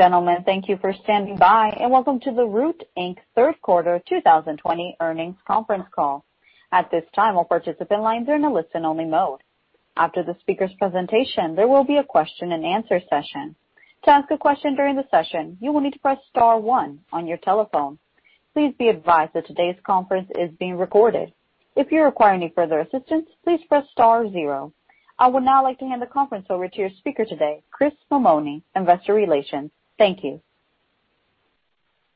Gentlemen, thank you for standing by, and welcome to the Root, Inc Third Quarter 2020 Earnings Conference Call. At this time, all participants are on a listen-only mode. After the speaker's presentation, there will be a question and answer session. To ask a question during the session, you will need to press star one on your telephone. Please be advised that today's conference is being recorded. If you require any further assistance, please press star zero. I would now like to hand the conference over to your speaker today, Chris Mammone, Investor Relations. Thank you.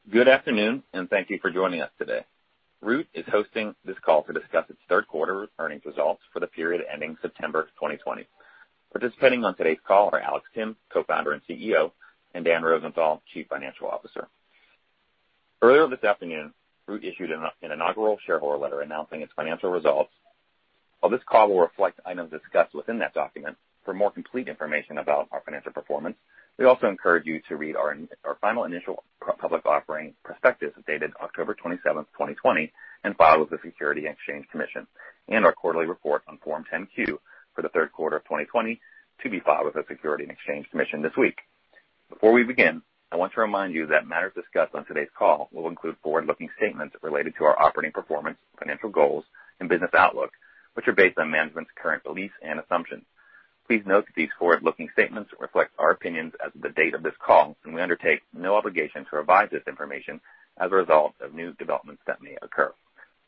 Good afternoon, and thank you for joining us today. Root is hosting this call to discuss its third quarter earnings results for the period ending September 2020. Participating on today's call are Alex Timm, Co-Founder and CEO, and Dan Rosenthal, Chief Financial Officer. Earlier this afternoon, Root issued an inaugural shareholder letter announcing its financial results. While this call will reflect items discussed within that document, for more complete information about our financial performance, we also encourage you to read our final initial public offering prospectus dated October 27, 2020, and filed with the Securities and Exchange Commission, and our quarterly report on Form 10-Q for the third quarter of 2020 to be filed with the Securities and Exchange Commission this week. Before we begin, I want to remind you that matters discussed on today's call will include forward-looking statements related to our operating performance, financial goals, and business outlook, which are based on management's current beliefs and assumptions. Please note that these forward-looking statements reflect our opinions as of the date of this call, and we undertake no obligation to revise this information as a result of new developments that may occur.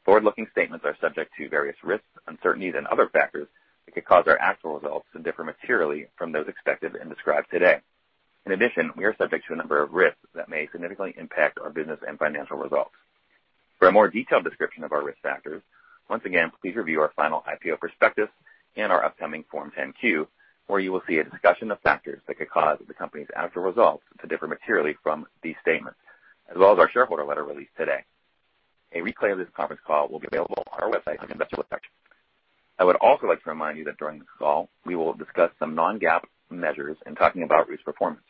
Forward-looking statements are subject to various risks, uncertainties, and other factors that could cause our actual results to differ materially from those expected and described today. In addition, we are subject to a number of risks that may significantly impact our business and financial results. For a more detailed description of our risk factors, once again, please review our final IPO prospectus and our upcoming Form 10-Q, where you will see a discussion of factors that could cause the company's actual results to differ materially from these statements, as well as our shareholder letter released today. A replay of this conference call will be available on our website under the Investor Relations section. I would also like to remind you that during this call, we will discuss some non-GAAP measures and talk about Root's performance.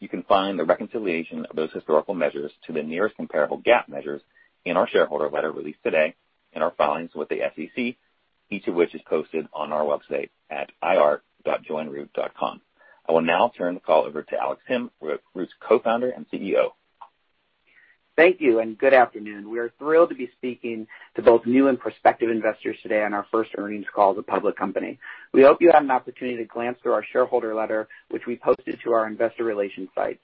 You can find the reconciliation of those historical measures to the nearest comparable GAAP measures in our shareholder letter released today and our filings with the SEC, each of which is posted on our website at ir.joinroot.com. I will now turn the call over to Alex Timm, Root's Co-Founder and CEO. Thank you, and good afternoon. We are thrilled to be speaking to both new and prospective investors today on our first earnings call as a public company. We hope you have an opportunity to glance through our shareholder letter, which we posted to our Investor Relations site.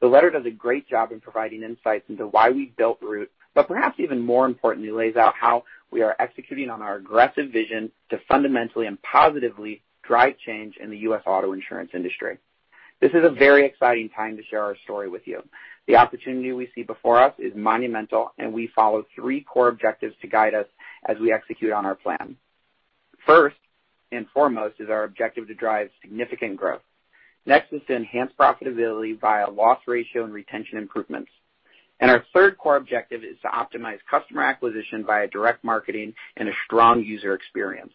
The letter does a great job in providing insights into why we built Root, but perhaps even more importantly, lays out how we are executing on our aggressive vision to fundamentally and positively drive change in the U.S. auto insurance industry. This is a very exciting time to share our story with you. The opportunity we see before us is monumental, and we follow three core objectives to guide us as we execute on our plan. First and foremost is our objective to drive significant growth. Next is to enhance profitability via loss ratio and retention improvements. Our third core objective is to optimize customer acquisition via direct marketing and a strong user experience.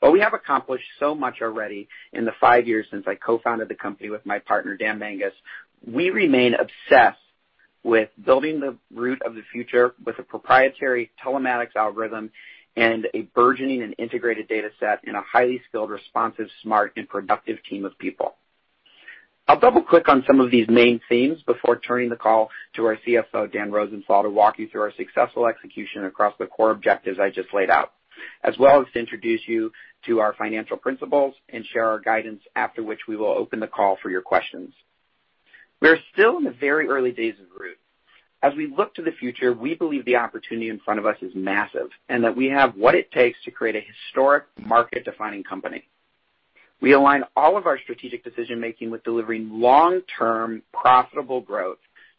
While we have accomplished so much already in the five years since I co-founded the company with my partner, Dan Manges, we remain obsessed with building the Root of the future with a proprietary telematics algorithm and a burgeoning and integrated data set and a highly skilled, responsive, smart, and productive team of people. I'll double-click on some of these main themes before turning the call to our CFO, Dan Rosenthal, to walk you through our successful execution across the core objectives I just laid out, as well as to introduce you to our financial principles and share our guidance, after which we will open the call for your questions. We are still in the very early days of Root. As we look to the future, we believe the opportunity in front of us is massive and that we have what it takes to create a historic market-defining company. We align all of our strategic decision-making with delivering long-term profitable growth,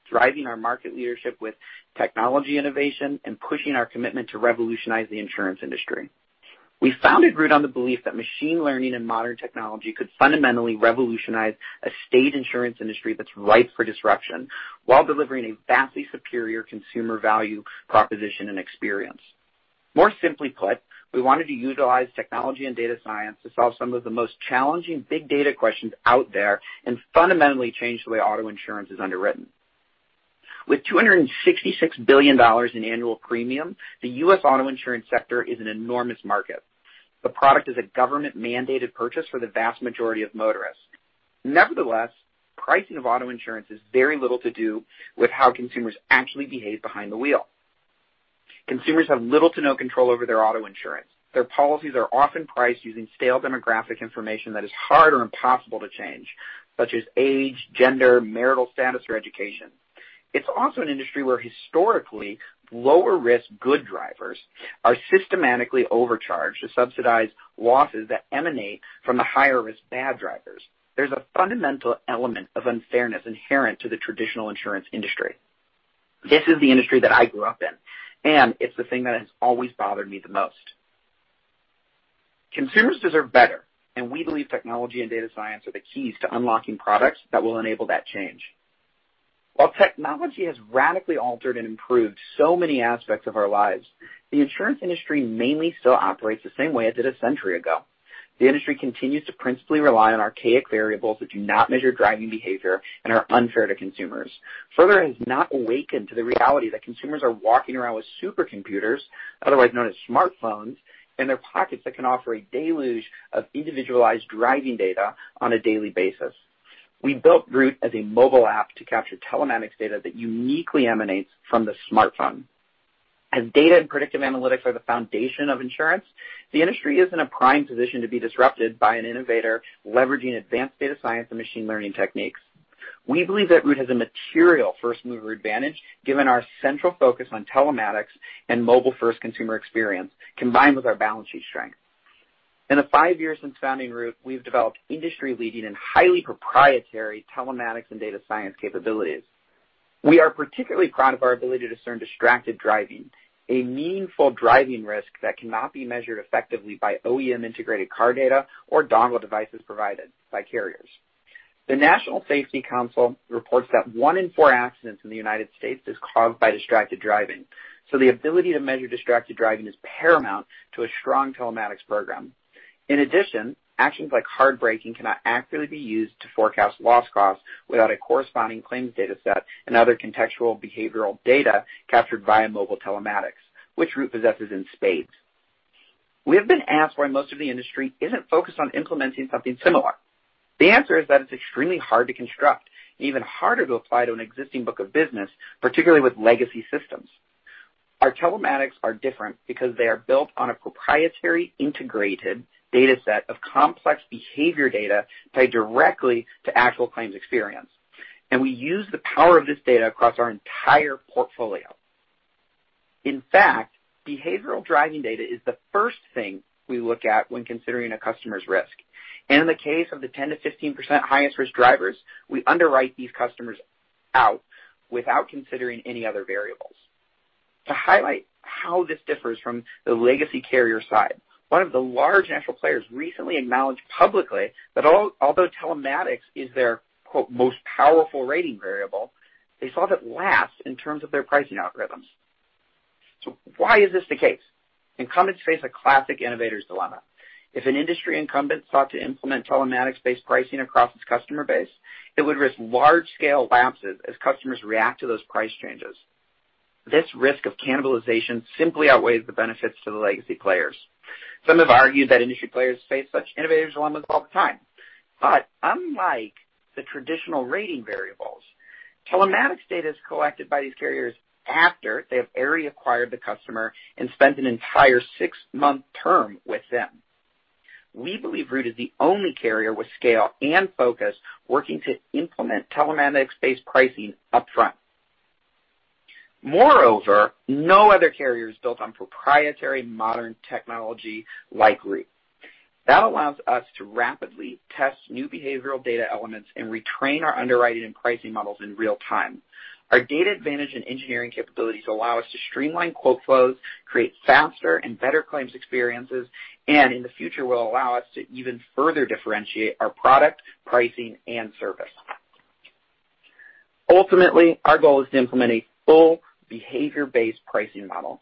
driving our market leadership with technology innovation, and pushing our commitment to revolutionize the insurance industry. We founded Root on the belief that machine learning and modern technology could fundamentally revolutionize the auto insurance industry that's ripe for disruption while delivering a vastly superior consumer value proposition and experience. More simply put, we wanted to utilize technology and data science to solve some of the most challenging big data questions out there and fundamentally change the way auto insurance is underwritten. With $266 billion in annual premium, the U.S. auto insurance sector is an enormous market. The product is a government-mandated purchase for the vast majority of motorists. Nevertheless, pricing of auto insurance is very little to do with how consumers actually behave behind the wheel. Consumers have little to no control over their auto insurance. Their policies are often priced using stale demographic information that is hard or impossible to change, such as age, gender, marital status, or education. It's also an industry where historically lower-risk good drivers are systematically overcharged to subsidize losses that emanate from the higher-risk bad drivers. There's a fundamental element of unfairness inherent to the traditional insurance industry. This is the industry that I grew up in, and it's the thing that has always bothered me the most. Consumers deserve better, and we believe technology and data science are the keys to unlocking products that will enable that change. While technology has radically altered and improved so many aspects of our lives, the insurance industry mainly still operates the same way it did a century ago. The industry continues to principally rely on archaic variables that do not measure driving behavior and are unfair to consumers. Further, it has not awakened to the reality that consumers are walking around with supercomputers, otherwise known as smartphones, in their pockets that can offer a deluge of individualized driving data on a daily basis. We built Root as a mobile app to capture telematics data that uniquely emanates from the smartphone. As data and predictive analytics are the foundation of insurance, the industry is in a prime position to be disrupted by an innovator leveraging advanced data science and machine learning techniques. We believe that Root has a material first-mover advantage given our central focus on telematics and mobile-first consumer experience combined with our balance sheet strength. In the five years since founding Root, we've developed industry-leading and highly proprietary telematics and data science capabilities. We are particularly proud of our ability to discern distracted driving, a meaningful driving risk that cannot be measured effectively by OEM-integrated car data or dongle devices provided by carriers. The National Safety Council reports that one in four accidents in the United States is caused by distracted driving, so the ability to measure distracted driving is paramount to a strong telematics program. In addition, actions like hard braking cannot accurately be used to forecast loss costs without a corresponding claims data set and other contextual behavioral data captured via mobile telematics, which Root possesses in spades. We have been asked why most of the industry isn't focused on implementing something similar. The answer is that it's extremely hard to construct and even harder to apply to an existing book of business, particularly with legacy systems. Our telematics are different because they are built on a proprietary integrated data set of complex behavior data tied directly to actual claims experience, and we use the power of this data across our entire portfolio. In fact, behavioral driving data is the first thing we look at when considering a customer's risk. And in the case of the 10%-15% highest-risk drivers, we underwrite these customers out without considering any other variables. To highlight how this differs from the legacy carrier side, one of the large national players recently acknowledged publicly that although telematics is their "most powerful rating variable," they saw it last in terms of their pricing algorithms. So why is this the case? Incumbents face a classic innovator's dilemma. If an industry incumbent sought to implement telematics-based pricing across its customer base, it would risk large-scale lapses as customers react to those price changes. This risk of cannibalization simply outweighs the benefits to the legacy players. Some have argued that industry players face such innovators' dilemmas all the time. But unlike the traditional rating variables, telematics data is collected by these carriers after they have already acquired the customer and spent an entire six-month term with them. We believe Root is the only carrier with scale and focus working to implement telematics-based pricing upfront. Moreover, no other carrier is built on proprietary modern technology like Root. That allows us to rapidly test new behavioral data elements and retrain our underwriting and pricing models in real time. Our data advantage and engineering capabilities allow us to streamline quote flows, create faster and better claims experiences, and in the future will allow us to even further differentiate our product, pricing, and service. Ultimately, our goal is to implement a full behavior-based pricing model.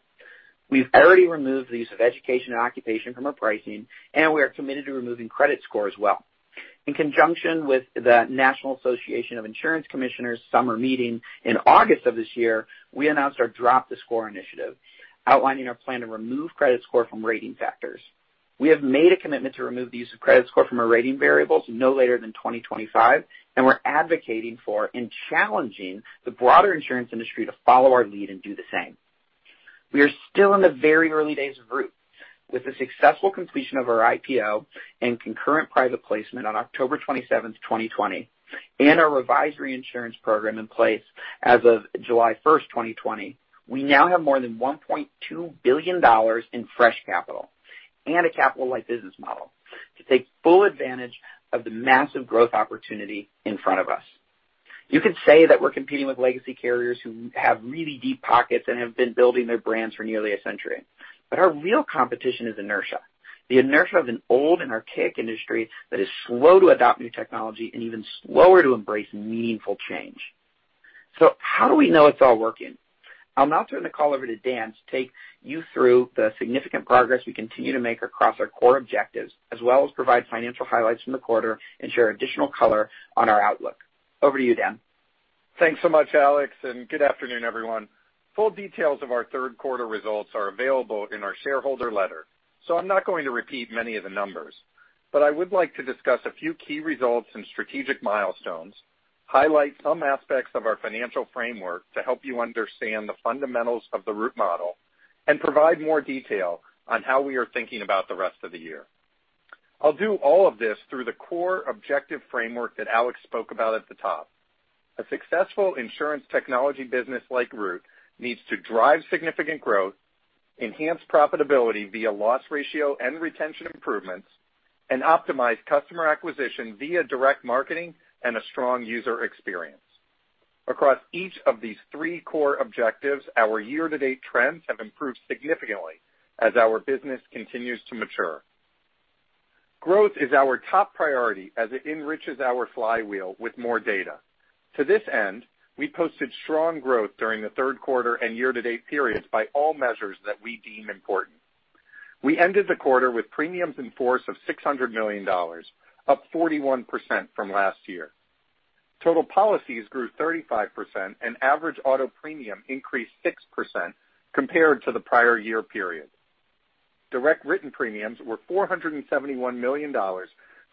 We've already removed the use of education and occupation from our pricing, and we are committed to removing credit score as well. In conjunction with the National Association of Insurance Commissioners' Summer Meeting in August of this year, we announced our Drop the Score initiative, outlining our plan to remove credit score from rating factors. We have made a commitment to remove the use of credit score from our rating variables no later than 2025, and we're advocating for and challenging the broader insurance industry to follow our lead and do the same. We are still in the very early days of Root. With the successful completion of our IPO and concurrent private placement on October 27th, 2020, and our revised reinsurance program in place as of July 1st, 2020, we now have more than $1.2 billion in fresh capital and a capital-like business model to take full advantage of the massive growth opportunity in front of us. You could say that we're competing with legacy carriers who have really deep pockets and have been building their brands for nearly a century. But our real competition is inertia, the inertia of an old and archaic industry that is slow to adopt new technology and even slower to embrace meaningful change. So how do we know it's all working? I'll now turn the call over to Dan to take you through the significant progress we continue to make across our core objectives, as well as provide financial highlights from the quarter and share additional color on our outlook. Over to you, Dan. Thanks so much, Alex, and good afternoon, everyone. Full details of our third quarter results are available in our shareholder letter, so I'm not going to repeat many of the numbers. But I would like to discuss a few key results and strategic milestones, highlight some aspects of our financial framework to help you understand the fundamentals of the Root model, and provide more detail on how we are thinking about the rest of the year. I'll do all of this through the core objective framework that Alex spoke about at the top. A successful insurance technology business like Root needs to drive significant growth, enhance profitability via loss ratio and retention improvements, and optimize customer acquisition via direct marketing and a strong user experience. Across each of these three core objectives, our year-to-date trends have improved significantly as our business continues to mature. Growth is our top priority as it enriches our flywheel with more data. To this end, we posted strong growth during the third quarter and year-to-date periods by all measures that we deem important. We ended the quarter with premiums in force of $600 million, up 41% from last year. Total policies grew 35%, and average auto premium increased 6% compared to the prior year period. Direct written premiums were $471 million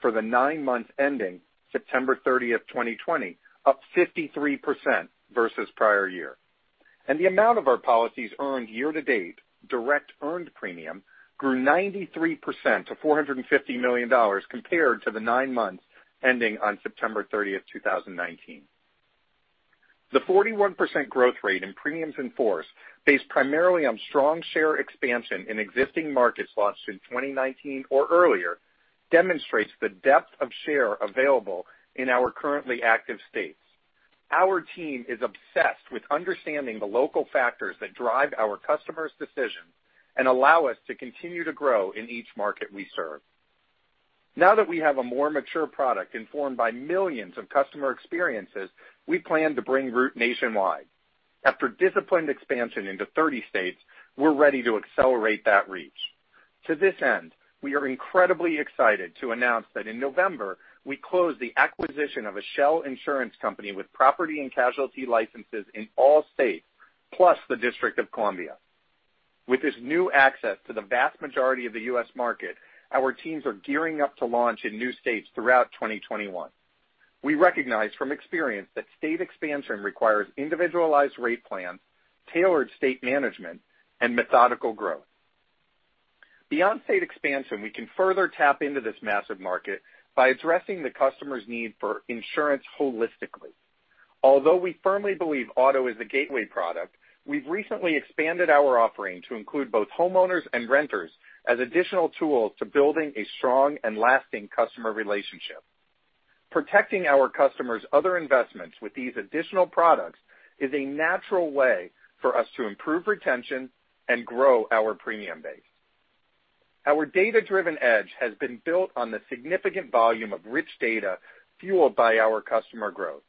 for the nine months ending September 30th, 2020, up 53% versus prior year, and the amount of our policies earned year-to-date direct earned premium grew 93% to $450 million compared to the nine months ending on September 30th, 2019. The 41% growth rate in premiums in force based primarily on strong share expansion in existing markets launched in 2019 or earlier demonstrates the depth of share available in our currently active states. Our team is obsessed with understanding the local factors that drive our customers' decisions and allow us to continue to grow in each market we serve. Now that we have a more mature product informed by millions of customer experiences, we plan to bring Root nationwide. After disciplined expansion into 30 states, we're ready to accelerate that reach. To this end, we are incredibly excited to announce that in November, we closed the acquisition of a shell insurance company with property and casualty licenses in all states, plus the District of Columbia. With this new access to the vast majority of the U.S. market, our teams are gearing up to launch in new states throughout 2021. We recognize from experience that state expansion requires individualized rate plans, tailored state management, and methodical growth. Beyond state expansion, we can further tap into this massive market by addressing the customer's need for insurance holistically. Although we firmly believe auto is the gateway product, we've recently expanded our offering to include both homeowners and renters as additional tools to building a strong and lasting customer relationship. Protecting our customers' other investments with these additional products is a natural way for us to improve retention and grow our premium base. Our data-driven edge has been built on the significant volume of rich data fueled by our customer growth.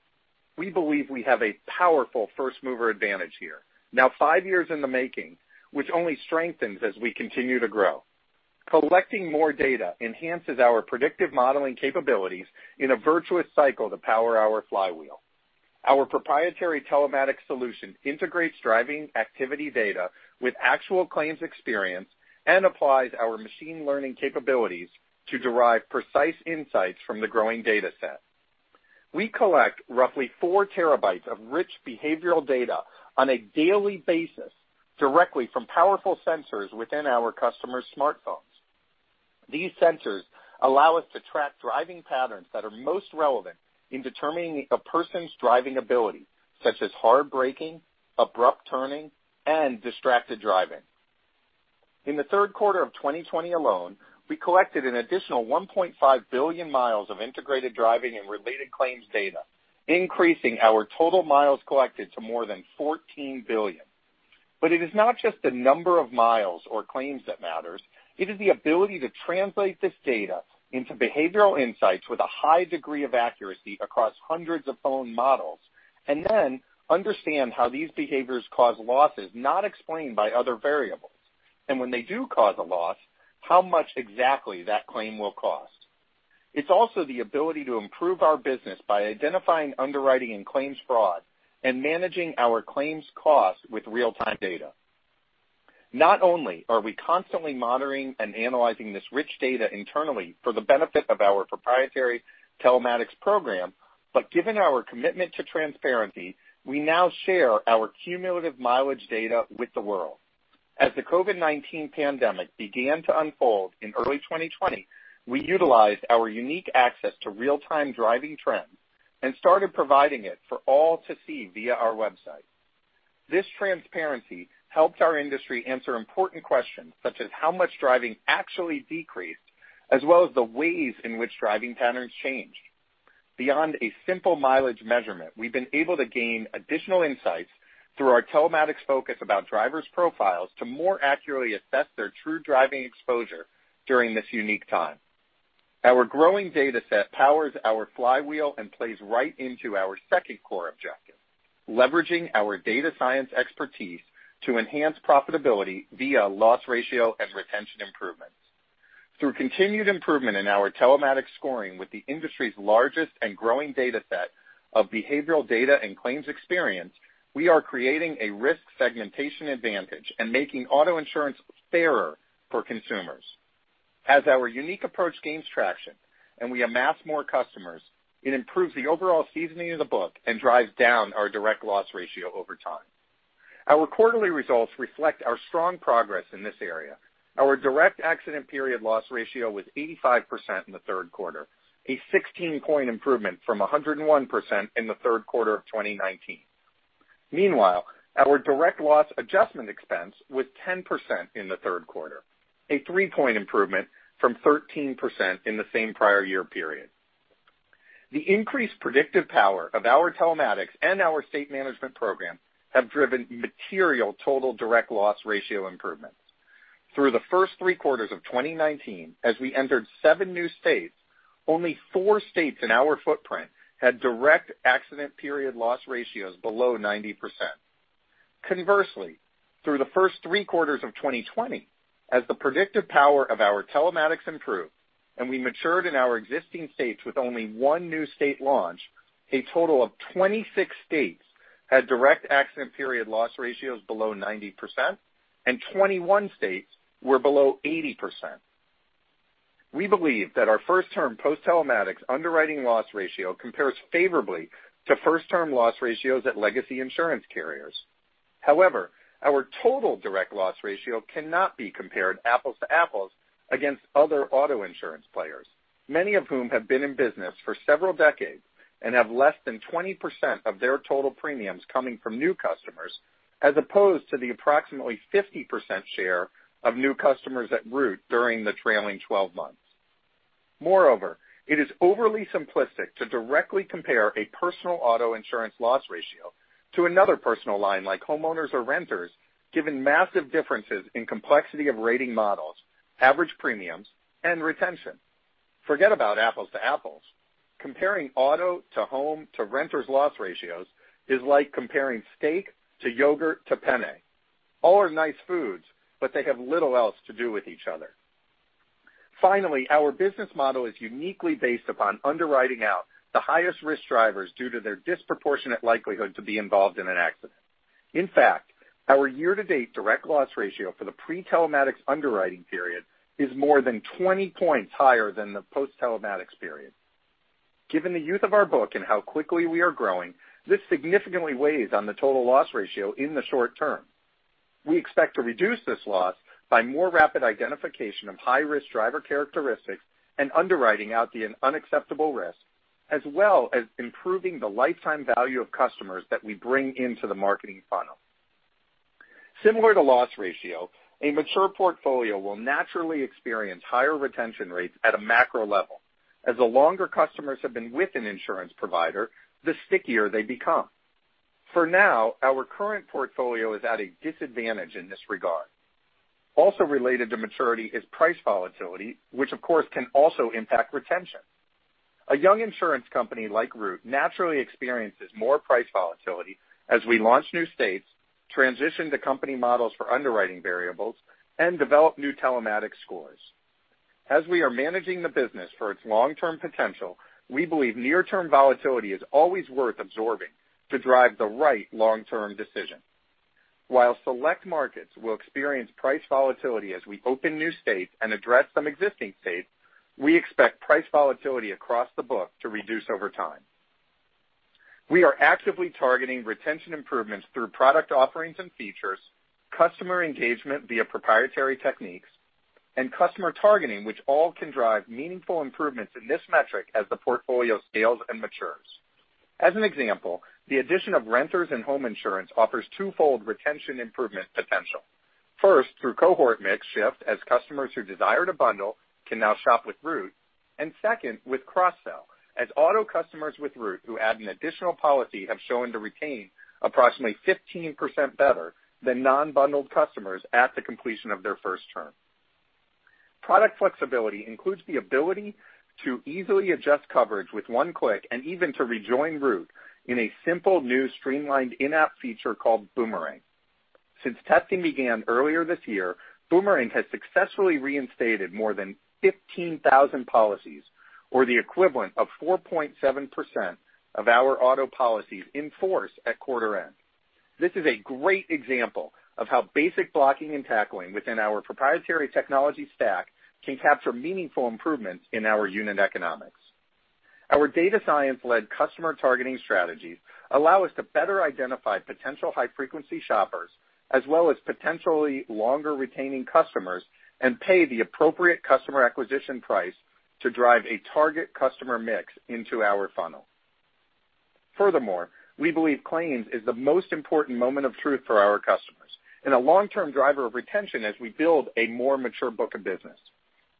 We believe we have a powerful first-mover advantage here, now five years in the making, which only strengthens as we continue to grow. Collecting more data enhances our predictive modeling capabilities in a virtuous cycle to power our flywheel. Our proprietary telematics solution integrates driving activity data with actual claims experience and applies our machine learning capabilities to derive precise insights from the growing data set. We collect roughly four terabytes of rich behavioral data on a daily basis directly from powerful sensors within our customers' smartphones. These sensors allow us to track driving patterns that are most relevant in determining a person's driving ability, such as hard braking, abrupt turning, and distracted driving. In the third quarter of 2020 alone, we collected an additional 1.5 billion mi of integrated driving and related claims data, increasing our total miles collected to more than 14 billion, but it is not just the number of miles or claims that matters. It is the ability to translate this data into behavioral insights with a high degree of accuracy across hundreds of phone models and then understand how these behaviors cause losses not explained by other variables, and when they do cause a loss, how much exactly that claim will cost. It's also the ability to improve our business by identifying underwriting and claims fraud and managing our claims costs with real-time data. Not only are we constantly monitoring and analyzing this rich data internally for the benefit of our proprietary telematics program, but given our commitment to transparency, we now share our cumulative mileage data with the world. As the COVID-19 pandemic began to unfold in early 2020, we utilized our unique access to real-time driving trends and started providing it for all to see via our website. This transparency helped our industry answer important questions such as how much driving actually decreased, as well as the ways in which driving patterns changed. Beyond a simple mileage measurement, we've been able to gain additional insights through our telematics focus about drivers' profiles to more accurately assess their true driving exposure during this unique time. Our growing data set powers our flywheel and plays right into our second core objective, leveraging our data science expertise to enhance profitability via loss ratio and retention improvements. Through continued improvement in our telematics scoring with the industry's largest and growing data set of behavioral data and claims experience, we are creating a risk segmentation advantage and making auto insurance fairer for consumers. As our unique approach gains traction and we amass more customers, it improves the overall seasoning of the book and drives down our direct loss ratio over time. Our quarterly results reflect our strong progress in this area. Our direct accident period loss ratio was 85% in the third quarter, a 16-point improvement from 101% in the third quarter of 2019. Meanwhile, our direct loss adjustment expense was 10% in the third quarter, a 3-point improvement from 13% in the same prior year period. The increased predictive power of our telematics and our state management program have driven material total direct loss ratio improvements. Through the first three quarters of 2019, as we entered seven new states, only four states in our footprint had direct accident period loss ratios below 90%. Conversely, through the first three quarters of 2020, as the predictive power of our telematics improved and we matured in our existing states with only one new state launch, a total of 26 states had direct accident period loss ratios below 90%, and 21 states were below 80%. We believe that our first-term post-telematics underwriting loss ratio compares favorably to first-term loss ratios at legacy insurance carriers. However, our total direct loss ratio cannot be compared apples to apples against other auto insurance players, many of whom have been in business for several decades and have less than 20% of their total premiums coming from new customers, as opposed to the approximately 50% share of new customers at Root during the trailing 12 months. Moreover, it is overly simplistic to directly compare a personal auto insurance loss ratio to another personal line like homeowners or renters, given massive differences in complexity of rating models, average premiums, and retention. Forget about apples to apples. Comparing auto to home to renters' loss ratios is like comparing steak to yogurt to penne. All are nice foods, but they have little else to do with each other. Finally, our business model is uniquely based upon underwriting out the highest risk drivers due to their disproportionate likelihood to be involved in an accident. In fact, our year-to-date direct loss ratio for the pre-telematics underwriting period is more than 20 points higher than the post-telematics period. Given the youth of our book and how quickly we are growing, this significantly weighs on the total loss ratio in the short term. We expect to reduce this loss by more rapid identification of high-risk driver characteristics and underwriting out the unacceptable risk, as well as improving the lifetime value of customers that we bring into the marketing funnel. Similar to loss ratio, a mature portfolio will naturally experience higher retention rates at a macro level. As the longer customers have been with an insurance provider, the stickier they become. For now, our current portfolio is at a disadvantage in this regard. Also related to maturity is price volatility, which, of course, can also impact retention. A young insurance company like Root naturally experiences more price volatility as we launch new states, transition to company models for underwriting variables, and develop new telematics scores. As we are managing the business for its long-term potential, we believe near-term volatility is always worth absorbing to drive the right long-term decision. While select markets will experience price volatility as we open new states and address some existing states, we expect price volatility across the book to reduce over time. We are actively targeting retention improvements through product offerings and features, customer engagement via proprietary techniques, and customer targeting, which all can drive meaningful improvements in this metric as the portfolio scales and matures. As an example, the addition of renters and home insurance offers twofold retention improvement potential. First, through cohort mix shift as customers who desire to bundle can now shop with Root, and second, with cross-sell as auto customers with Root who add an additional policy have shown to retain approximately 15% better than non-bundled customers at the completion of their first term. Product flexibility includes the ability to easily adjust coverage with one click and even to rejoin Root in a simple new streamlined in-app feature called Boomerang. Since testing began earlier this year, Boomerang has successfully reinstated more than 15,000 policies, or the equivalent of 4.7% of our auto policies in force at quarter end. This is a great example of how basic blocking and tackling within our proprietary technology stack can capture meaningful improvements in our unit economics. Our data science-led customer targeting strategies allow us to better identify potential high-frequency shoppers, as well as potentially longer retaining customers, and pay the appropriate customer acquisition price to drive a target customer mix into our funnel. Furthermore, we believe claims is the most important moment of truth for our customers and a long-term driver of retention as we build a more mature book of business.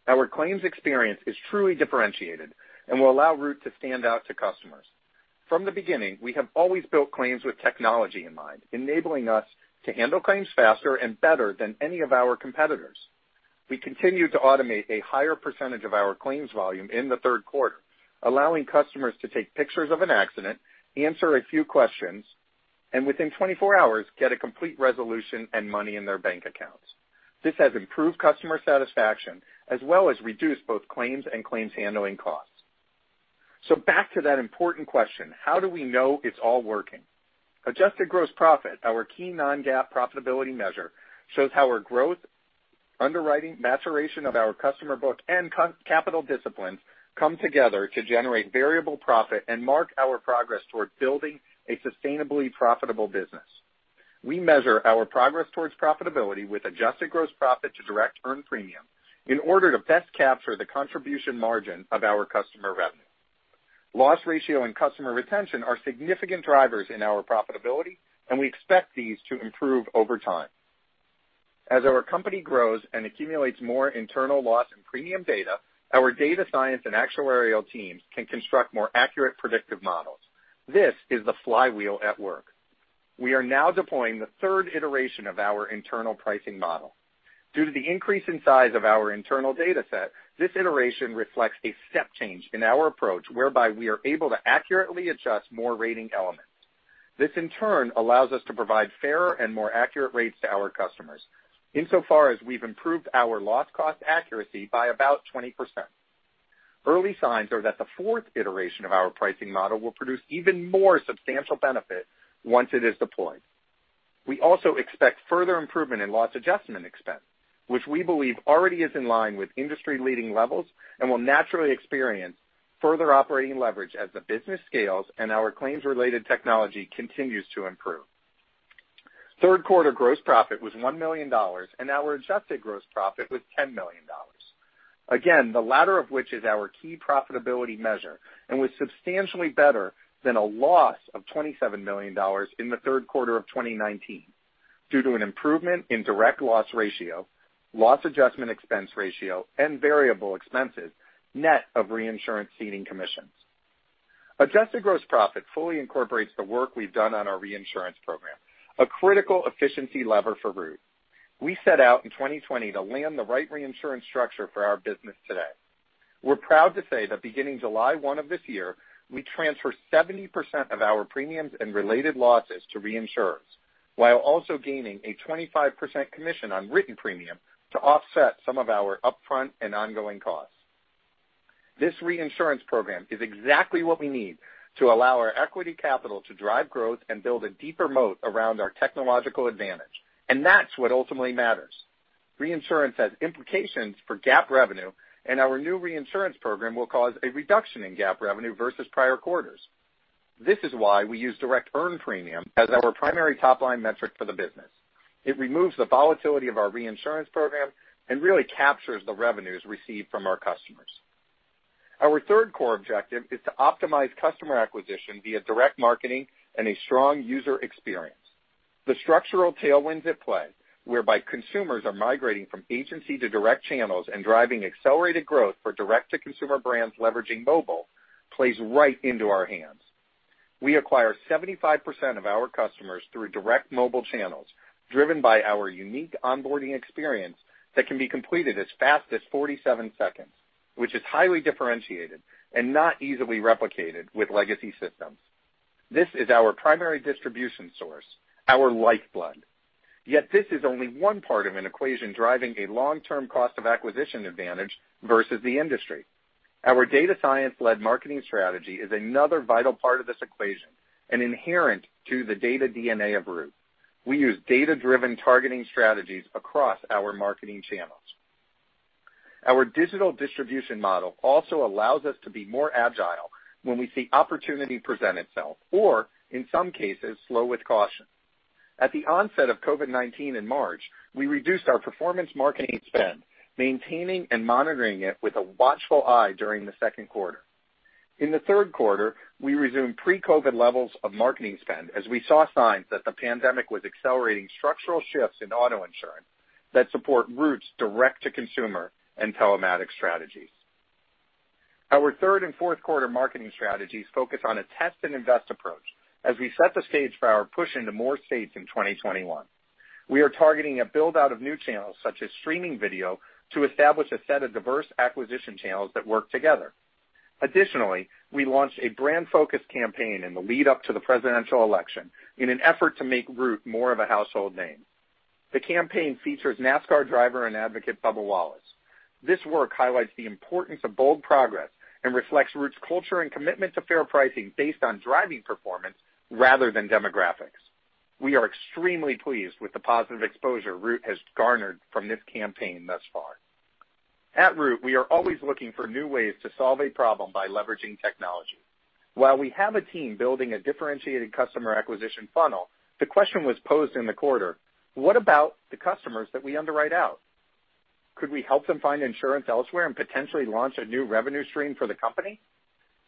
Our claims experience is truly differentiated and will allow Root to stand out to customers. From the beginning, we have always built claims with technology in mind, enabling us to handle claims faster and better than any of our competitors. We continue to automate a higher percentage of our claims volume in the third quarter, allowing customers to take pictures of an accident, answer a few questions, and within 24 hours, get a complete resolution and money in their bank accounts. This has improved customer satisfaction as well as reduced both claims and claims handling costs. So back to that important question, how do we know it's all working? Adjusted Gross Profit, our key non-GAAP profitability measure, shows how our growth, underwriting, maturation of our customer book, and capital disciplines come together to generate variable profit and mark our progress toward building a sustainably profitable business. We measure our progress towards profitability with Adjusted Gross Profit to direct earned premium in order to best capture the contribution margin of our customer revenue. Loss ratio and customer retention are significant drivers in our profitability, and we expect these to improve over time. As our company grows and accumulates more internal loss and premium data, our data science and actuarial teams can construct more accurate predictive models. This is the flywheel at work. We are now deploying the third iteration of our internal pricing model. Due to the increase in size of our internal data set, this iteration reflects a step change in our approach whereby we are able to accurately adjust more rating elements. This, in turn, allows us to provide fairer and more accurate rates to our customers insofar as we've improved our loss cost accuracy by about 20%. Early signs are that the fourth iteration of our pricing model will produce even more substantial benefit once it is deployed. We also expect further improvement in loss adjustment expense, which we believe already is in line with industry-leading levels and will naturally experience further operating leverage as the business scales and our claims-related technology continues to improve. Third quarter gross profit was $1 million, and our Adjusted Gross Profit was $10 million. Again, the latter of which is our key profitability measure and was substantially better than a loss of $27 million in the third quarter of 2019 due to an improvement in direct loss ratio, loss adjustment expense ratio, and variable expenses net of reinsurance ceding commissions. Adjusted Gross Profit fully incorporates the work we've done on our reinsurance program, a critical efficiency lever for Root. We set out in 2020 to land the right reinsurance structure for our business today. We're proud to say that beginning July 1 of this year, we transfer 70% of our premiums and related losses to reinsurance while also gaining a 25% commission on written premium to offset some of our upfront and ongoing costs. This reinsurance program is exactly what we need to allow our equity capital to drive growth and build a deeper moat around our technological advantage, and that's what ultimately matters. Reinsurance has implications for GAAP revenue, and our new reinsurance program will cause a reduction in GAAP revenue versus prior quarters. This is why we use direct earned premium as our primary top-line metric for the business. It removes the volatility of our reinsurance program and really captures the revenues received from our customers. Our third core objective is to optimize customer acquisition via direct marketing and a strong user experience. The structural tailwinds at play whereby consumers are migrating from agency to direct channels and driving accelerated growth for direct-to-consumer brands leveraging mobile plays right into our hands. We acquire 75% of our customers through direct mobile channels driven by our unique onboarding experience that can be completed as fast as 47 seconds, which is highly differentiated and not easily replicated with legacy systems. This is our primary distribution source, our lifeblood. Yet this is only one part of an equation driving a long-term cost of acquisition advantage versus the industry. Our data science-led marketing strategy is another vital part of this equation and inherent to the data DNA of Root. We use data-driven targeting strategies across our marketing channels. Our digital distribution model also allows us to be more agile when we see opportunity present itself or, in some cases, slow with caution. At the onset of COVID-19 in March, we reduced our performance marketing spend, maintaining and monitoring it with a watchful eye during the second quarter. In the third quarter, we resumed pre-COVID levels of marketing spend as we saw signs that the pandemic was accelerating structural shifts in auto insurance that support Root's direct-to-consumer and telematics strategies. Our third and fourth quarter marketing strategies focus on a test-and-invest approach as we set the stage for our push into more states in 2021. We are targeting a build-out of new channels such as streaming video to establish a set of diverse acquisition channels that work together. Additionally, we launched a brand-focused campaign in the lead-up to the presidential election in an effort to make Root more of a household name. The campaign features NASCAR driver and advocate Bubba Wallace. This work highlights the importance of bold progress and reflects Root's culture and commitment to fair pricing based on driving performance rather than demographics. We are extremely pleased with the positive exposure Root has garnered from this campaign thus far. At Root, we are always looking for new ways to solve a problem by leveraging technology. While we have a team building a differentiated customer acquisition funnel, the question was posed in the quarter, "What about the customers that we underwrite out? Could we help them find insurance elsewhere and potentially launch a new revenue stream for the company?"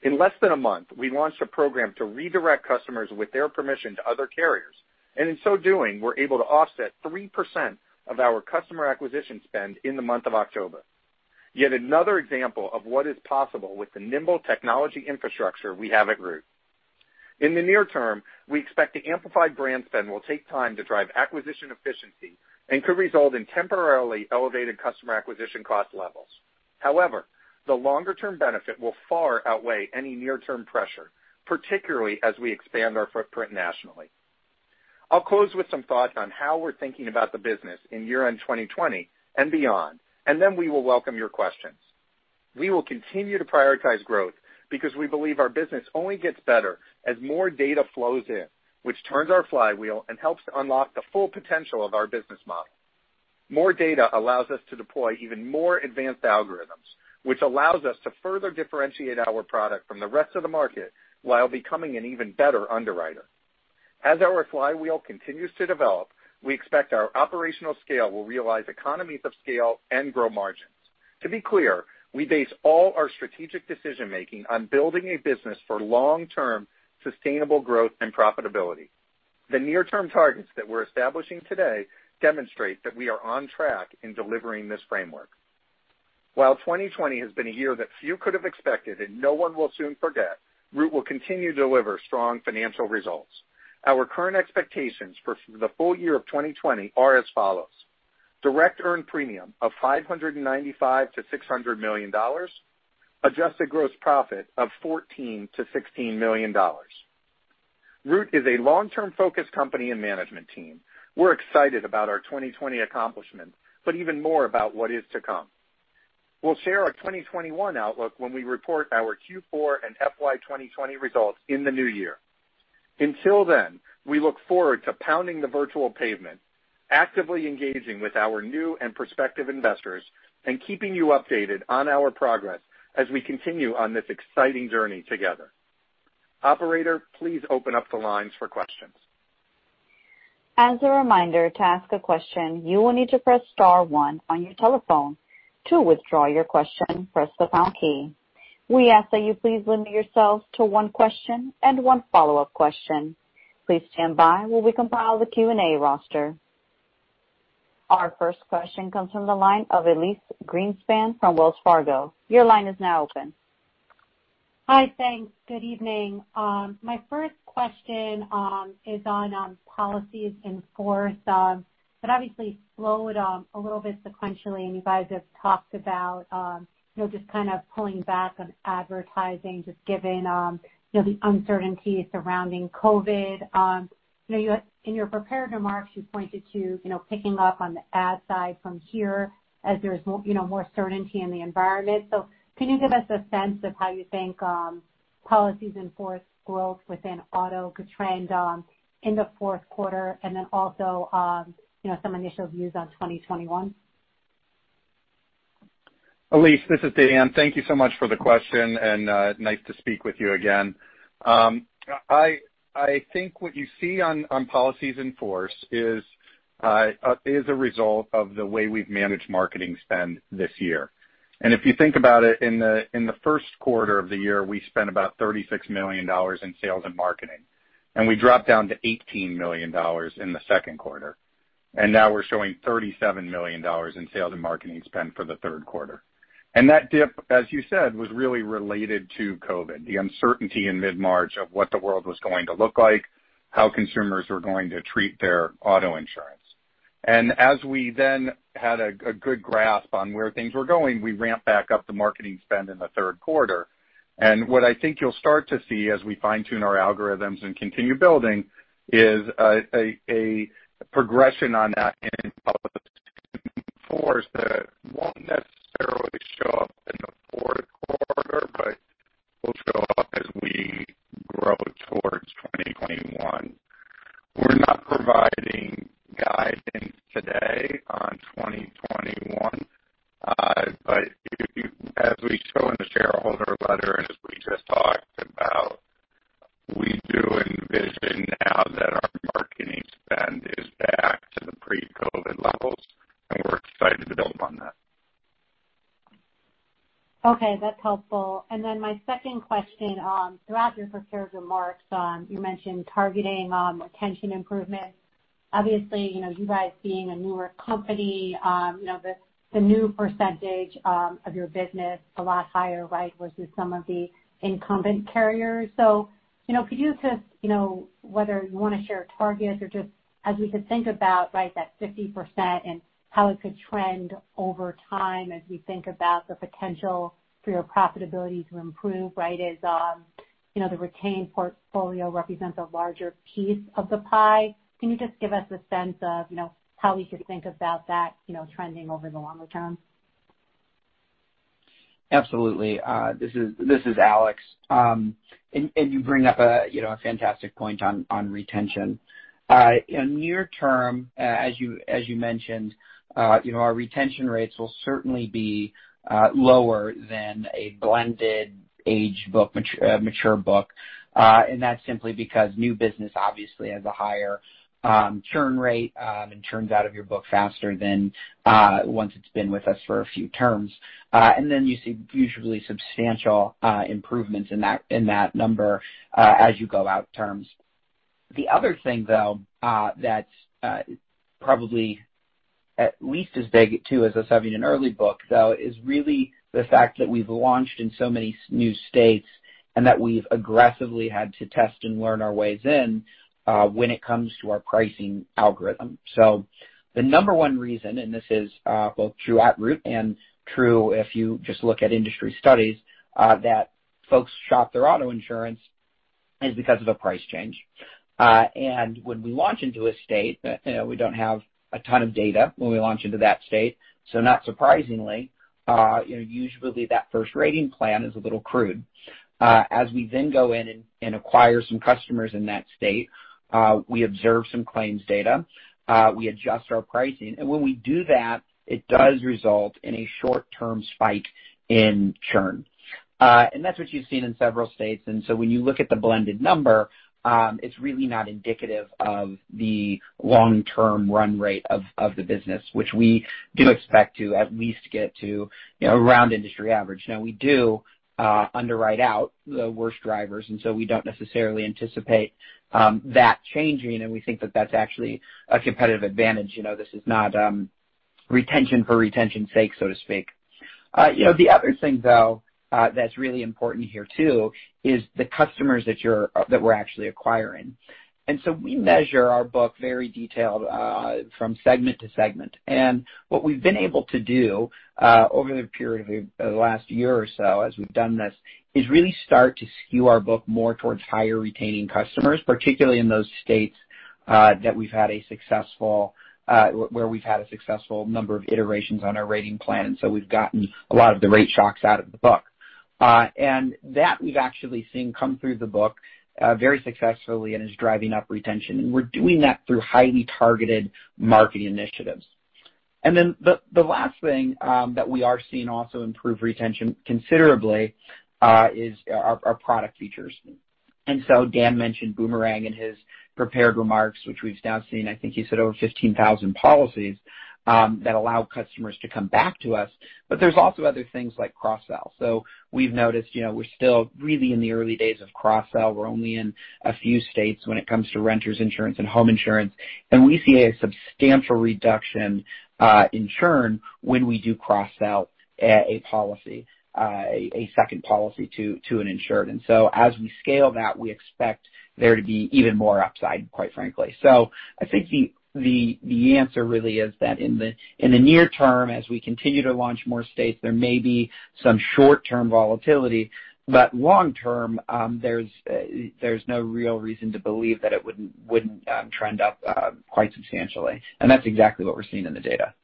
In less than a month, we launched a program to redirect customers with their permission to other carriers, and in so doing, we're able to offset 3% of our customer acquisition spend in the month of October. Yet another example of what is possible with the nimble technology infrastructure we have at Root. In the near term, we expect the amplified brand spend will take time to drive acquisition efficiency and could result in temporarily elevated customer acquisition cost levels. However, the longer-term benefit will far outweigh any near-term pressure, particularly as we expand our footprint nationally. I'll close with some thoughts on how we're thinking about the business in year-end 2020 and beyond, and then we will welcome your questions. We will continue to prioritize growth because we believe our business only gets better as more data flows in, which turns our flywheel and helps to unlock the full potential of our business model. More data allows us to deploy even more advanced algorithms, which allows us to further differentiate our product from the rest of the market while becoming an even better underwriter. As our flywheel continues to develop, we expect our operational scale will realize economies of scale and grow margins. To be clear, we base all our strategic decision-making on building a business for long-term sustainable growth and profitability. The near-term targets that we're establishing today demonstrate that we are on track in delivering this framework. While 2020 has been a year that few could have expected and no one will soon forget, Root will continue to deliver strong financial results. Our current expectations for the full year of 2020 are as follows: direct earned premium of $595 million-$600 million, Adjusted Gross Profit of $14 million-$16 million. Root is a long-term-focused company and management team. We're excited about our 2020 accomplishments, but even more about what is to come. We'll share our 2021 outlook when we report our Q4 and FY 2020 results in the new year. Until then, we look forward to pounding the virtual pavement, actively engaging with our new and prospective investors, and keeping you updated on our progress as we continue on this exciting journey together. Operator, please open up the lines for questions. As a reminder to ask a question, you will need to press star one on your telephone. To withdraw your question, press the pound key. We ask that you please limit yourselves to one question and one follow-up question. Please stand by while we compile the Q&A roster. Our first question comes from the line of Elyse Greenspan from Wells Fargo. Your line is now open. Hi, thanks. Good evening. My first question is on policies in force, but obviously slowed it a little bit sequentially. And you guys have talked about just kind of pulling back on advertising, just given the uncertainty surrounding COVID. In your prepared remarks, you pointed to picking up on the ad side from here as there's more certainty in the environment. So can you give us a sense of how you think policies in force growth within auto could trend in the fourth quarter and then also some initial views on 2021? Elyse, this is Dan. Thank you so much for the question, and nice to speak with you again. I think what you see on policies in force is a result of the way we've managed marketing spend this year. And if you think about it, in the first quarter of the year, we spent about $36 million in sales and marketing, and we dropped down to $18 million in the second quarter. And now we're showing $37 million in sales and marketing spend for the third quarter. And that dip, as you said, was really related to COVID, the uncertainty in mid-March of what the world was going to look like, how consumers were going to treat their auto insurance. And as we then had a good grasp on where things were going, we ramped back up the marketing spend in the third quarter. What I think you'll start to see as we fine-tune our algorithms and continue building is a progression on that in policies in force that won't necessarily show up in the fourth quarter, but will show up as we grow towards 2021. We're not providing guidance today on 2021, but as we show in the shareholder letter and as we just talked about, we do envision now that our marketing spend is back to the pre-COVID levels, and we're excited to build on that. Okay. That's helpful. And then my second question, throughout your prepared remarks, you mentioned targeting retention improvement. Obviously, you guys being a newer company, the new percentage of your business is a lot higher, right, versus some of the incumbent carriers. So could you just, whether you want to share targets or just as we could think about that 50% and how it could trend over time as we think about the potential for your profitability to improve, right, as the retained portfolio represents a larger piece of the pie? Can you just give us a sense of how we could think about that trending over the longer term? Absolutely. This is Alex. And you bring up a fantastic point on retention. Near-term, as you mentioned, our retention rates will certainly be lower than a blended age book, mature book. And that's simply because new business obviously has a higher churn rate and churns out of your book faster than once it's been with us for a few terms. And then you see usually substantial improvements in that number as you go out terms. The other thing, though, that's probably at least as big too as us having an early book, though, is really the fact that we've launched in so many new states and that we've aggressively had to test and learn our ways in when it comes to our pricing algorithm. So the number one reason, and this is both true at Root and true if you just look at industry studies, that folks shop their auto insurance is because of a price change. And when we launch into a state, we don't have a ton of data when we launch into that state. So not surprisingly, usually that first rating plan is a little crude. As we then go in and acquire some customers in that state, we observe some claims data, we adjust our pricing. And when we do that, it does result in a short-term spike in churn. And that's what you've seen in several states. And so when you look at the blended number, it's really not indicative of the long-term run rate of the business, which we do expect to at least get to around industry average. Now, we do underwrite out the worst drivers, and so we don't necessarily anticipate that changing, and we think that that's actually a competitive advantage. This is not retention for retention's sake, so to speak. The other thing, though, that's really important here too is the customers that we're actually acquiring. And so we measure our book very detailed from segment to segment. And what we've been able to do over the period of the last year or so as we've done this is really start to skew our book more towards higher retaining customers, particularly in those states that we've had a successful number of iterations on our rating plan. And so we've gotten a lot of the rate shocks out of the book. And that we've actually seen come through the book very successfully and is driving up retention. And we're doing that through highly targeted marketing initiatives. And then the last thing that we are seeing also improve retention considerably is our product features. And so Dan mentioned Boomerang in his prepared remarks, which we've now seen, I think he said over 15,000 policies that allow customers to come back to us. But there's also other things like cross-sell. So we've noticed we're still really in the early days of cross-sell. We're only in a few states when it comes to renters insurance and home insurance. And we see a substantial reduction in churn when we do cross-sell a policy, a second policy to an insured. And so as we scale that, we expect there to be even more upside, quite frankly. I think the answer really is that in the near term, as we continue to launch more states, there may be some short-term volatility, but long-term, there's no real reason to believe that it wouldn't trend up quite substantially. That's exactly what we're seeing in the data.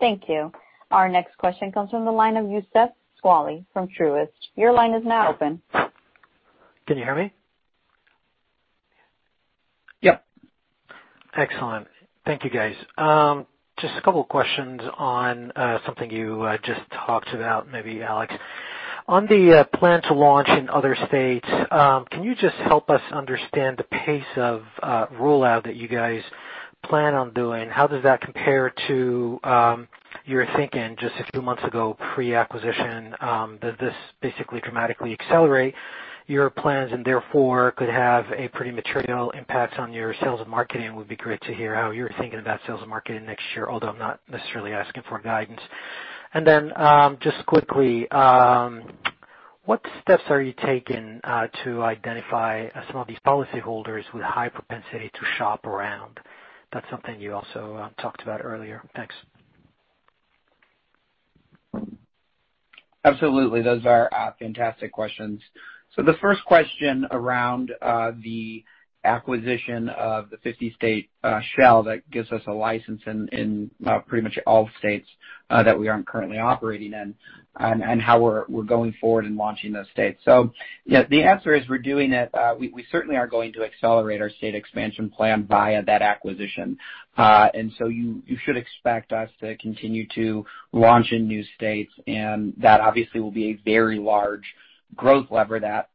Thank you. Our next question comes from the line of Youssef Squali from Truist. Your line is now open. Can you hear me? Yep. Excellent. Thank you, guys. Just a couple of questions on something you just talked about, maybe, Alex. On the plan to launch in other states, can you just help us understand the pace of rollout that you guys plan on doing? How does that compare to your thinking just a few months ago, pre-acquisition? Does this basically dramatically accelerate your plans and therefore could have a pretty material impact on your sales and marketing? It would be great to hear how you're thinking about sales and marketing next year, although I'm not necessarily asking for guidance. And then just quickly, what steps are you taking to identify some of these policyholders with high propensity to shop around? That's something you also talked about earlier. Thanks. Absolutely. Those are fantastic questions, so the first question around the acquisition of the 50-state shell that gives us a license in pretty much all states that we aren't currently operating in and how we're going forward in launching those states, so the answer is we're doing it. We certainly are going to accelerate our state expansion plan via that acquisition, and so you should expect us to continue to launch in new states, and that obviously will be a very large growth lever that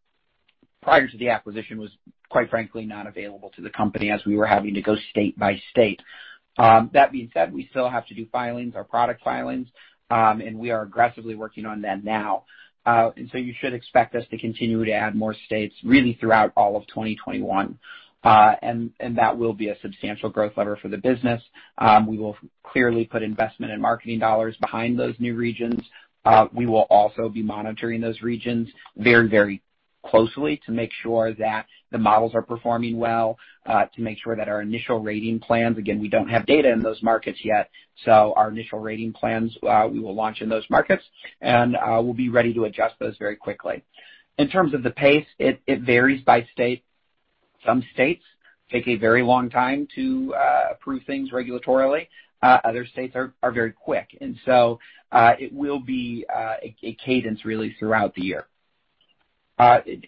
prior to the acquisition was, quite frankly, not available to the company as we were having to go state by state. That being said, we still have to do filings, our product filings, and we are aggressively working on that now, and so you should expect us to continue to add more states really throughout all of 2021. And that will be a substantial growth lever for the business. We will clearly put investment and marketing dollars behind those new regions. We will also be monitoring those regions very, very closely to make sure that the models are performing well, to make sure that our initial rating plans, again, we don't have data in those markets yet, so our initial rating plans, we will launch in those markets, and we'll be ready to adjust those very quickly. In terms of the pace, it varies by state. Some states take a very long time to approve things regulatorily. Other states are very quick. And so it will be a cadence really throughout the year.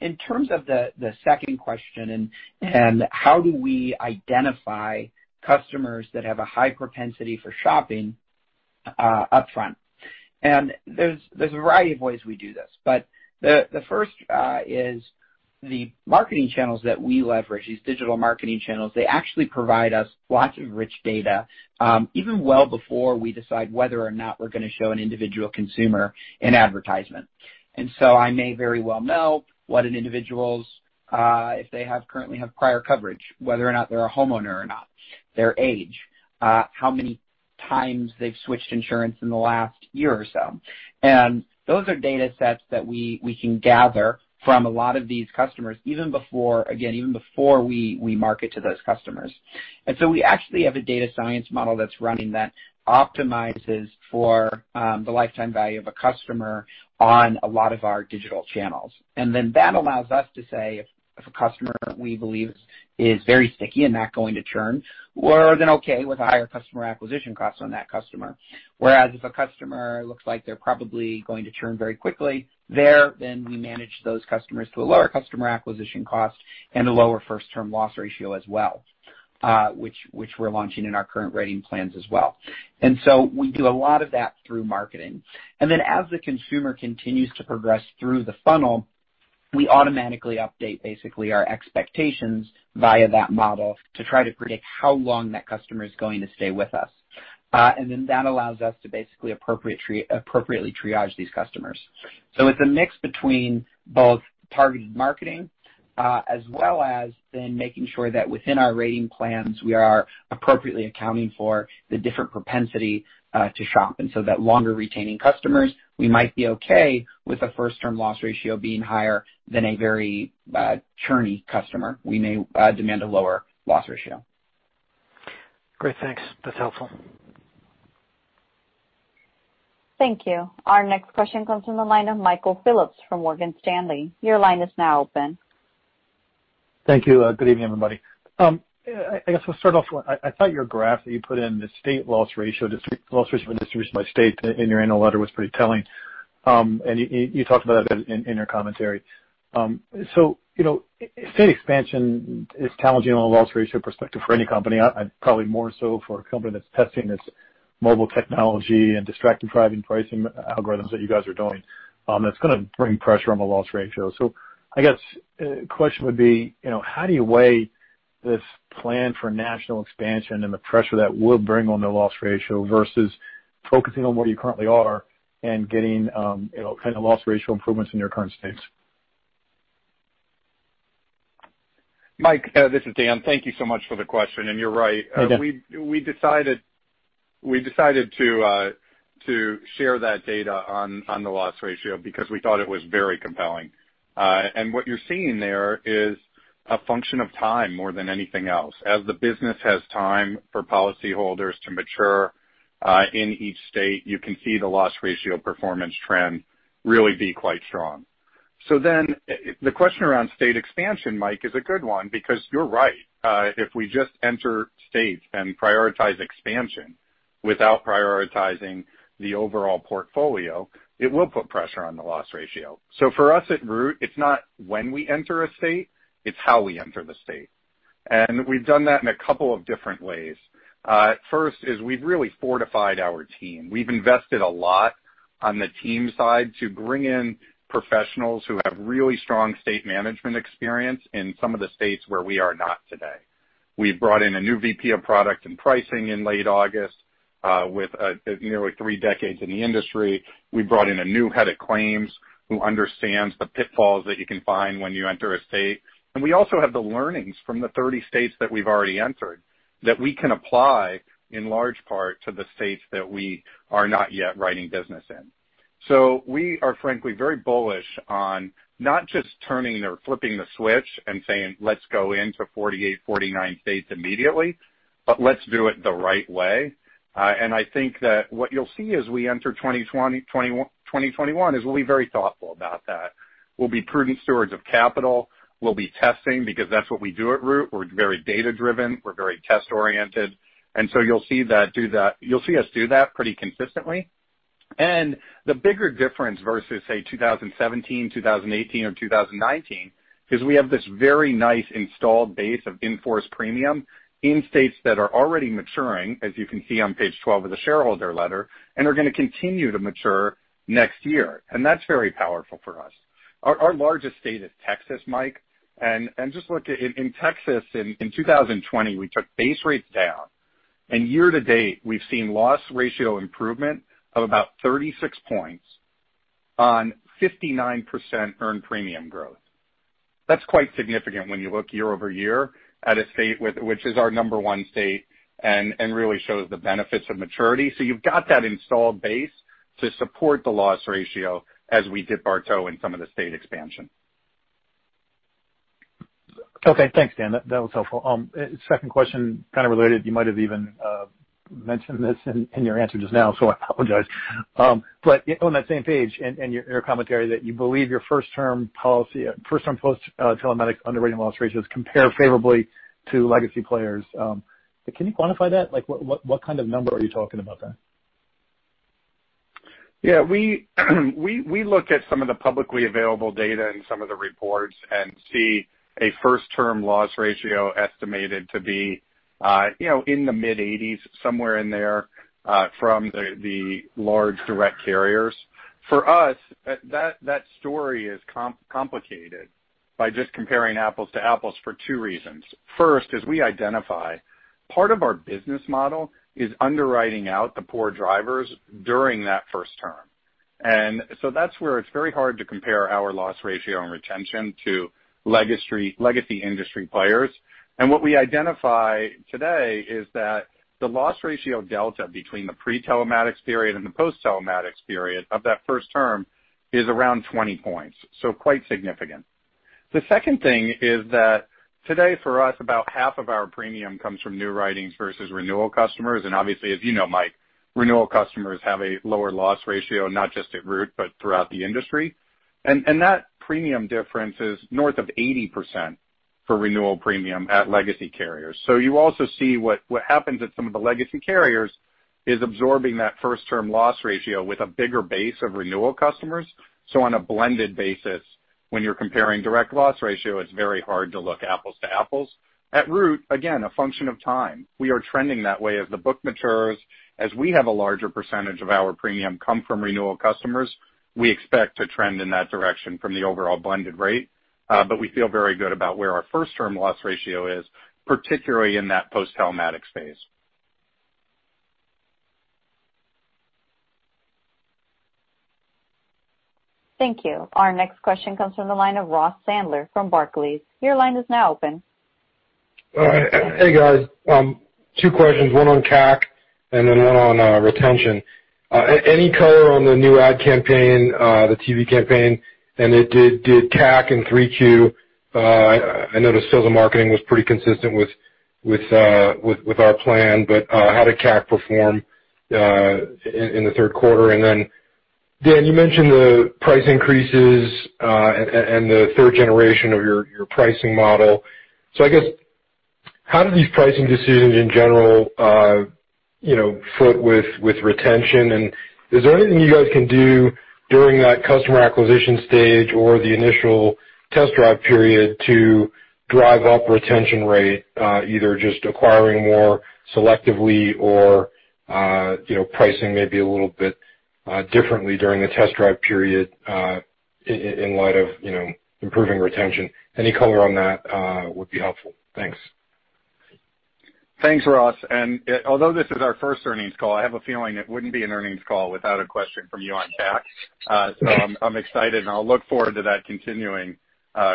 In terms of the second question, and how do we identify customers that have a high propensity for shopping upfront? And there's a variety of ways we do this. But the first is the marketing channels that we leverage, these digital marketing channels. They actually provide us lots of rich data even well before we decide whether or not we're going to show an individual consumer an advertisement. And so I may very well know what an individual's, if they currently have prior coverage, whether or not they're a homeowner or not, their age, how many times they've switched insurance in the last year or so. And those are data sets that we can gather from a lot of these customers, again, even before we market to those customers. And so we actually have a data science model that's running that optimizes for the lifetime value of a customer on a lot of our digital channels. And then that allows us to say if a customer we believe is very sticky and not going to churn, we're then okay with higher customer acquisition costs on that customer. Whereas if a customer looks like they're probably going to churn very quickly, then we manage those customers to a lower customer acquisition cost and a lower first-term loss ratio as well, which we're launching in our current rating plans as well. And so we do a lot of that through marketing. And then as the consumer continues to progress through the funnel, we automatically update basically our expectations via that model to try to predict how long that customer is going to stay with us. And then that allows us to basically appropriately triage these customers. So it's a mix between both targeted marketing as well as then making sure that within our rating plans, we are appropriately accounting for the different propensity to shop. And so that longer retaining customers, we might be okay with a first-term loss ratio being higher than a very churny customer. We may demand a lower loss ratio. Great. Thanks. That's helpful. Thank you. Our next question comes from the line of Michael Phillips from Morgan Stanley. Your line is now open. Thank you. Good evening, everybody. I guess we'll start off with, I thought your graph that you put in, the state loss ratio, district loss ratio by district by state, in your annual letter was pretty telling. And you talked about that in your commentary. So state expansion is challenging on a loss ratio perspective for any company, probably more so for a company that's testing this mobile technology and distracted driving pricing algorithms that you guys are doing. That's going to bring pressure on the loss ratio. So I guess the question would be, how do you weigh this plan for national expansion and the pressure that will bring on the loss ratio versus focusing on where you currently are and getting kind of loss ratio improvements in your current states? Mike, this is Dan. Thank you so much for the question, and you're right. We decided to share that data on the loss ratio because we thought it was very compelling, and what you're seeing there is a function of time more than anything else. As the business has time for policyholders to mature in each state, you can see the loss ratio performance trend really be quite strong, so then the question around state expansion, Mike, is a good one because you're right. If we just enter states and prioritize expansion without prioritizing the overall portfolio, it will put pressure on the loss ratio, so for us at Root, it's not when we enter a state, it's how we enter the state, and we've done that in a couple of different ways. First is we've really fortified our team. We've invested a lot on the team side to bring in professionals who have really strong state management experience in some of the states where we are not today. We brought in a new VP of product and pricing in late August with nearly three decades in the industry. We brought in a new head of claims who understands the pitfalls that you can find when you enter a state. And we also have the learnings from the 30 states that we've already entered that we can apply in large part to the states that we are not yet writing business in. So we are, frankly, very bullish on not just turning or flipping the switch and saying, "Let's go into 48-49 states immediately," but let's do it the right way. And I think that what you'll see as we enter 2021 is we'll be very thoughtful about that. We'll be prudent stewards of capital. We'll be testing because that's what we do at Root. We're very data-driven. We're very test-oriented. And so you'll see that you'll see us do that pretty consistently. And the bigger difference versus, say, 2017, 2018, or 2019 is we have this very nice installed base of in-force premium in states that are already maturing, as you can see on page 12 of the shareholder letter, and are going to continue to mature next year. And that's very powerful for us. Our largest state is Texas, Mike. And just look at in Texas, in 2020, we took base rates down. And year-to-date, we've seen loss ratio improvement of about 36 points on 59% earned premium growth. That's quite significant when you look year-over-year at a state which is our number one state and really shows the benefits of maturity. So you've got that installed base to support the loss ratio as we dip our toe in some of the state expansion. Okay. Thanks, Dan. That was helpful. Second question, kind of related. You might have even mentioned this in your answer just now, so I apologize. But on that same page, and your commentary that you believe your first-term policy, first-term post-telematics underwriting loss ratios compare favorably to legacy players. Can you quantify that? What kind of number are you talking about there? Yeah. We look at some of the publicly available data and some of the reports and see a first-term loss ratio estimated to be in the mid-80s, somewhere in there from the large direct carriers. For us, that story is complicated by just comparing apples to apples for two reasons. First, as we identify, part of our business model is underwriting out the poor drivers during that first term. And so that's where it's very hard to compare our loss ratio and retention to legacy industry players. And what we identify today is that the loss ratio delta between the pre-telematics period and the post-telematics period of that first term is around 20 points, so quite significant. The second thing is that today, for us, about half of our premium comes from new writings versus renewal customers. Obviously, as you know, Mike, renewal customers have a lower loss ratio, not just at Root, but throughout the industry. That premium difference is north of 80% for renewal premium at legacy carriers. You also see what happens at some of the legacy carriers is absorbing that first-term loss ratio with a bigger base of renewal customers. On a blended basis, when you're comparing direct loss ratio, it's very hard to look apples to apples. At Root, again, a function of time. We are trending that way as the book matures. As we have a larger percentage of our premium come from renewal customers, we expect to trend in that direction from the overall blended rate. We feel very good about where our first-term loss ratio is, particularly in that post-telematics phase. Thank you. Our next question comes from the line of Ross Sandler from Barclays. Your line is now open. Hey, guys. Two questions. One on CAC and then one on retention. Any color on the new ad campaign, the TV campaign? And did CAC in 3Q, I noticed sales and marketing was pretty consistent with our plan, but how did CAC perform in the third quarter? And then, Dan, you mentioned the price increases and the third generation of your pricing model. So I guess, how do these pricing decisions in general fit with retention? And is there anything you guys can do during that customer acquisition stage or the initial test drive period to drive up retention rate, either just acquiring more selectively or pricing maybe a little bit differently during the test drive period in light of improving retention? Any color on that would be helpful. Thanks. Thanks, Ross. And although this is our first earnings call, I have a feeling it wouldn't be an earnings call without a question from you on CAC. So I'm excited, and I'll look forward to that continuing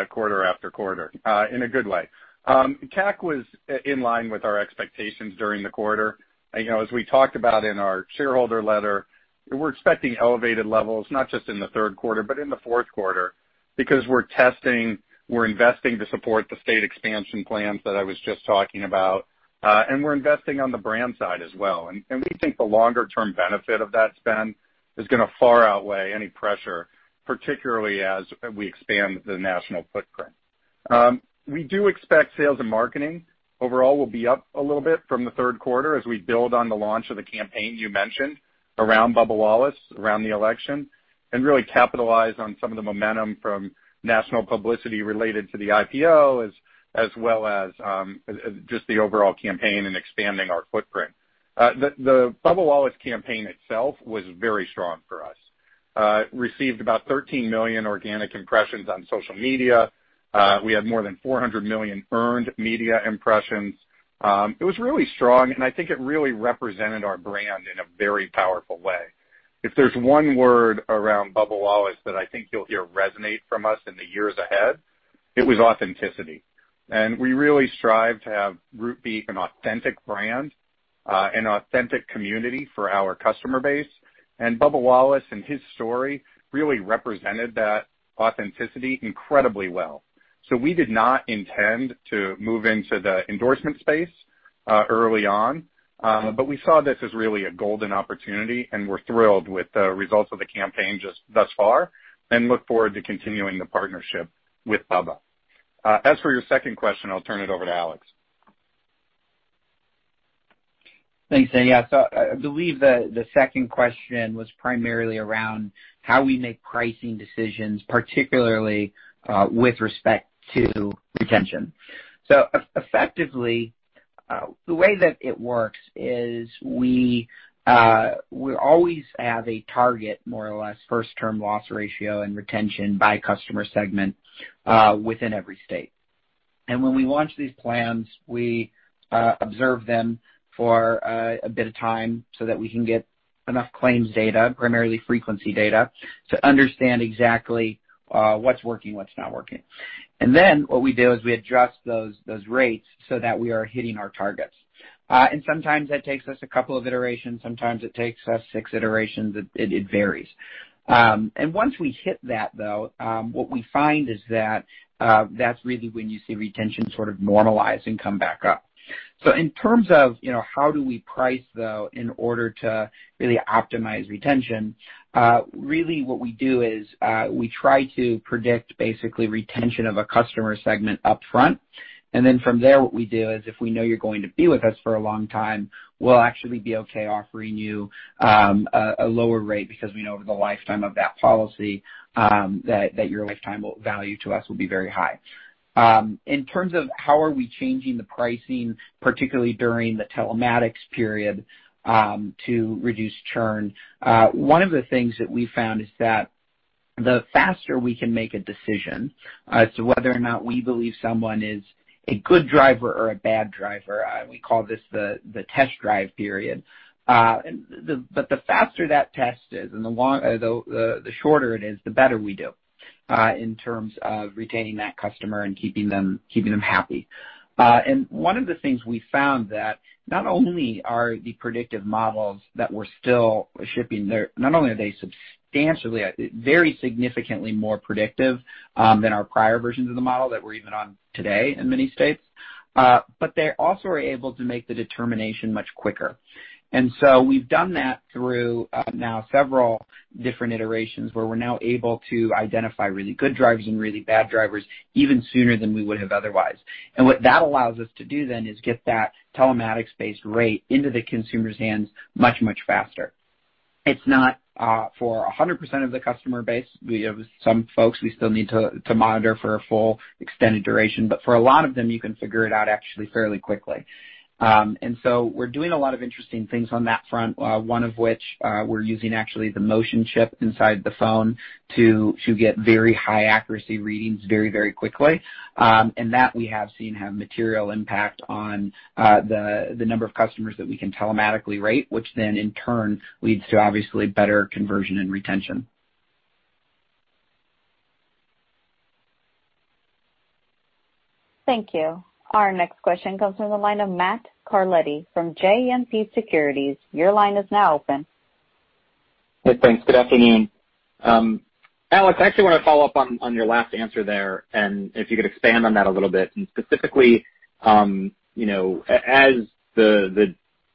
quarter after quarter in a good way. CAC was in line with our expectations during the quarter. As we talked about in our shareholder letter, we're expecting elevated levels, not just in the third quarter, but in the fourth quarter because we're testing. We're investing to support the state expansion plans that I was just talking about. And we're investing on the brand side as well. And we think the longer-term benefit of that spend is going to far outweigh any pressure, particularly as we expand the national footprint. We do expect sales and marketing overall will be up a little bit from the third quarter as we build on the launch of the campaign you mentioned around Bubba Wallace, around the election, and really capitalize on some of the momentum from national publicity related to the IPO, as well as just the overall campaign and expanding our footprint. The Bubba Wallace campaign itself was very strong for us. It received about 13 million organic impressions on social media. We had more than 400 million earned media impressions. It was really strong, and I think it really represented our brand in a very powerful way. If there's one word around Bubba Wallace that I think you'll hear resonate from us in the years ahead, it was authenticity. We really strive to have Root be an authentic brand, an authentic community for our customer base. And Bubba Wallace and his story really represented that authenticity incredibly well. So we did not intend to move into the endorsement space early on, but we saw this as really a golden opportunity, and we're thrilled with the results of the campaign just thus far and look forward to continuing the partnership with Bubba. As for your second question, I'll turn it over to Alex. Thanks, Dan. Yeah, so I believe the second question was primarily around how we make pricing decisions, particularly with respect to retention, so effectively, the way that it works is we always have a target, more or less, first-term loss ratio and retention by customer segment within every state, and when we launch these plans, we observe them for a bit of time so that we can get enough claims data, primarily frequency data, to understand exactly what's working, what's not working, and then what we do is we adjust those rates so that we are hitting our targets, and sometimes that takes us a couple of iterations. Sometimes it takes us six iterations. It varies, and once we hit that, though, what we find is that that's really when you see retention sort of normalize and come back up. So, in terms of how do we price, though, in order to really optimize retention, really what we do is we try to predict basically retention of a customer segment upfront. And then from there, what we do is if we know you're going to be with us for a long time, we'll actually be okay offering you a lower rate because we know over the lifetime of that policy that your lifetime value to us will be very high. In terms of how are we changing the pricing, particularly during the telematics period to reduce churn, one of the things that we found is that the faster we can make a decision as to whether or not we believe someone is a good driver or a bad driver, we call this the test drive period. But the faster that test is and the shorter it is, the better we do in terms of retaining that customer and keeping them happy. And one of the things we found that not only are the predictive models that we're still shipping, not only are they substantially, very significantly more predictive than our prior versions of the model that we're even on today in many states, but they also are able to make the determination much quicker. And so we've done that through now several different iterations where we're now able to identify really good drivers and really bad drivers even sooner than we would have otherwise. And what that allows us to do then is get that telematics-based rate into the consumer's hands much, much faster. It's not for 100% of the customer base. We have some folks we still need to monitor for a full extended duration. But for a lot of them, you can figure it out actually fairly quickly. And so we're doing a lot of interesting things on that front, one of which we're using actually the motion chip inside the phone to get very high accuracy readings very, very quickly. And that we have seen have material impact on the number of customers that we can telematically rate, which then in turn leads to obviously better conversion and retention. Thank you. Our next question comes from the line of Matt Carletti from JMP Securities. Your line is now open. Hey, thanks. Good afternoon. Alex, I actually want to follow up on your last answer there, and if you could expand on that a little bit, and specifically, as the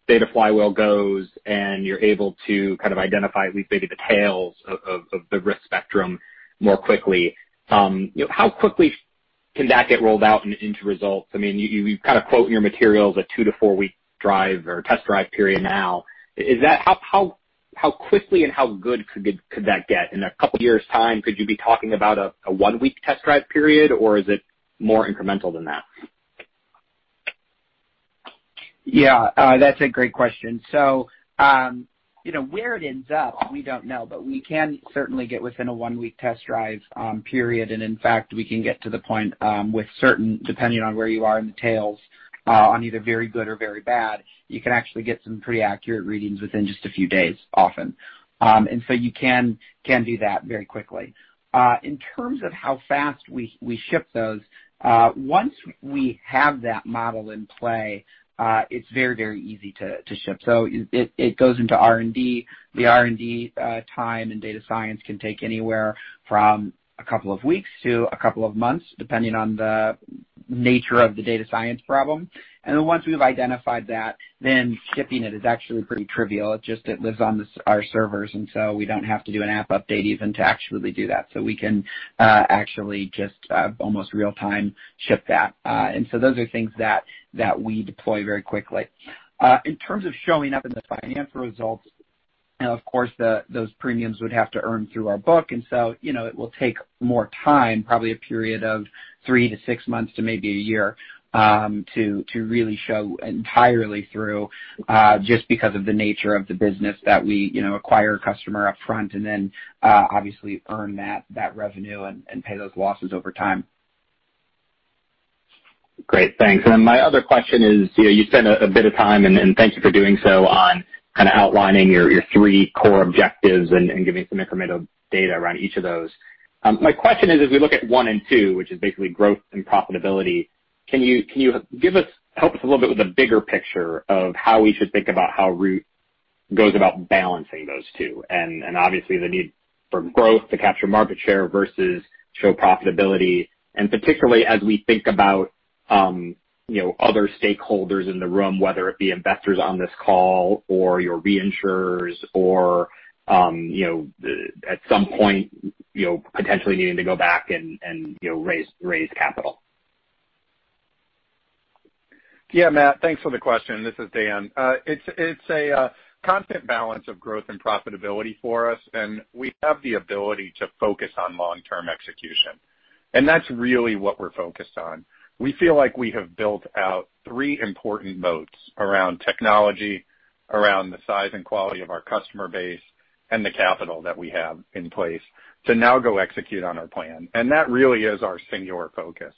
data flywheel goes and you're able to kind of identify maybe the tails of the risk spectrum more quickly, how quickly can that get rolled out into results? I mean, you kind of quote in your materials a two- to four-week drive or test drive period now. How quickly and how good could that get? In a couple of years' time, could you be talking about a one-week test drive period, or is it more incremental than that? Yeah. That's a great question. So where it ends up, we don't know, but we can certainly get within a one-week test drive period. In fact, we can get to the point with certain, depending on where you are in the tails, on either very good or very bad, you can actually get some pretty accurate readings within just a few days often. So you can do that very quickly. In terms of how fast we ship those, once we have that model in play, it's very, very easy to ship. It goes into R&D. The R&D time and data science can take anywhere from a couple of weeks to a couple of months, depending on the nature of the data science problem. Then once we've identified that, shipping it is actually pretty trivial. It just lives on our servers, and so we don't have to do an app update even to actually do that. So we can actually just almost real-time ship that. And so those are things that we deploy very quickly. In terms of showing up in the financial results, of course, those premiums would have to earn through our book. And so it will take more time, probably a period of 3-6 months to maybe a year to really show entirely through just because of the nature of the business that we acquire a customer upfront and then obviously earn that revenue and pay those losses over time. Great. Thanks. And my other question is you spent a bit of time, and thank you for doing so, on kind of outlining your three core objectives and giving some incremental data around each of those. My question is, as we look at one and two, which is basically growth and profitability, can you help us a little bit with a bigger picture of how we should think about how Root goes about balancing those two? And obviously, the need for growth to capture market share versus show profitability. And particularly as we think about other stakeholders in the room, whether it be investors on this call or your reinsurers or at some point potentially needing to go back and raise capital. Yeah, Matt, thanks for the question. This is Dan. It's a constant balance of growth and profitability for us, and we have the ability to focus on long-term execution. And that's really what we're focused on. We feel like we have built out three important moats around technology, around the size and quality of our customer base, and the capital that we have in place to now go execute on our plan. And that really is our singular focus.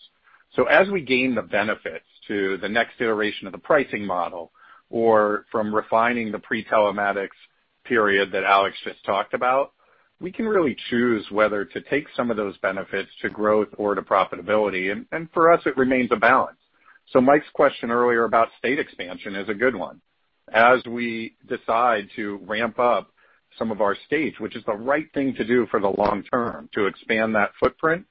So as we gain the benefits to the next iteration of the pricing model or from refining the pre-telematics period that Alex just talked about, we can really choose whether to take some of those benefits to growth or to profitability. And for us, it remains a balance. So Mike's question earlier about state expansion is a good one. As we decide to ramp up some of our states, which is the right thing to do for the long term to expand that footprint,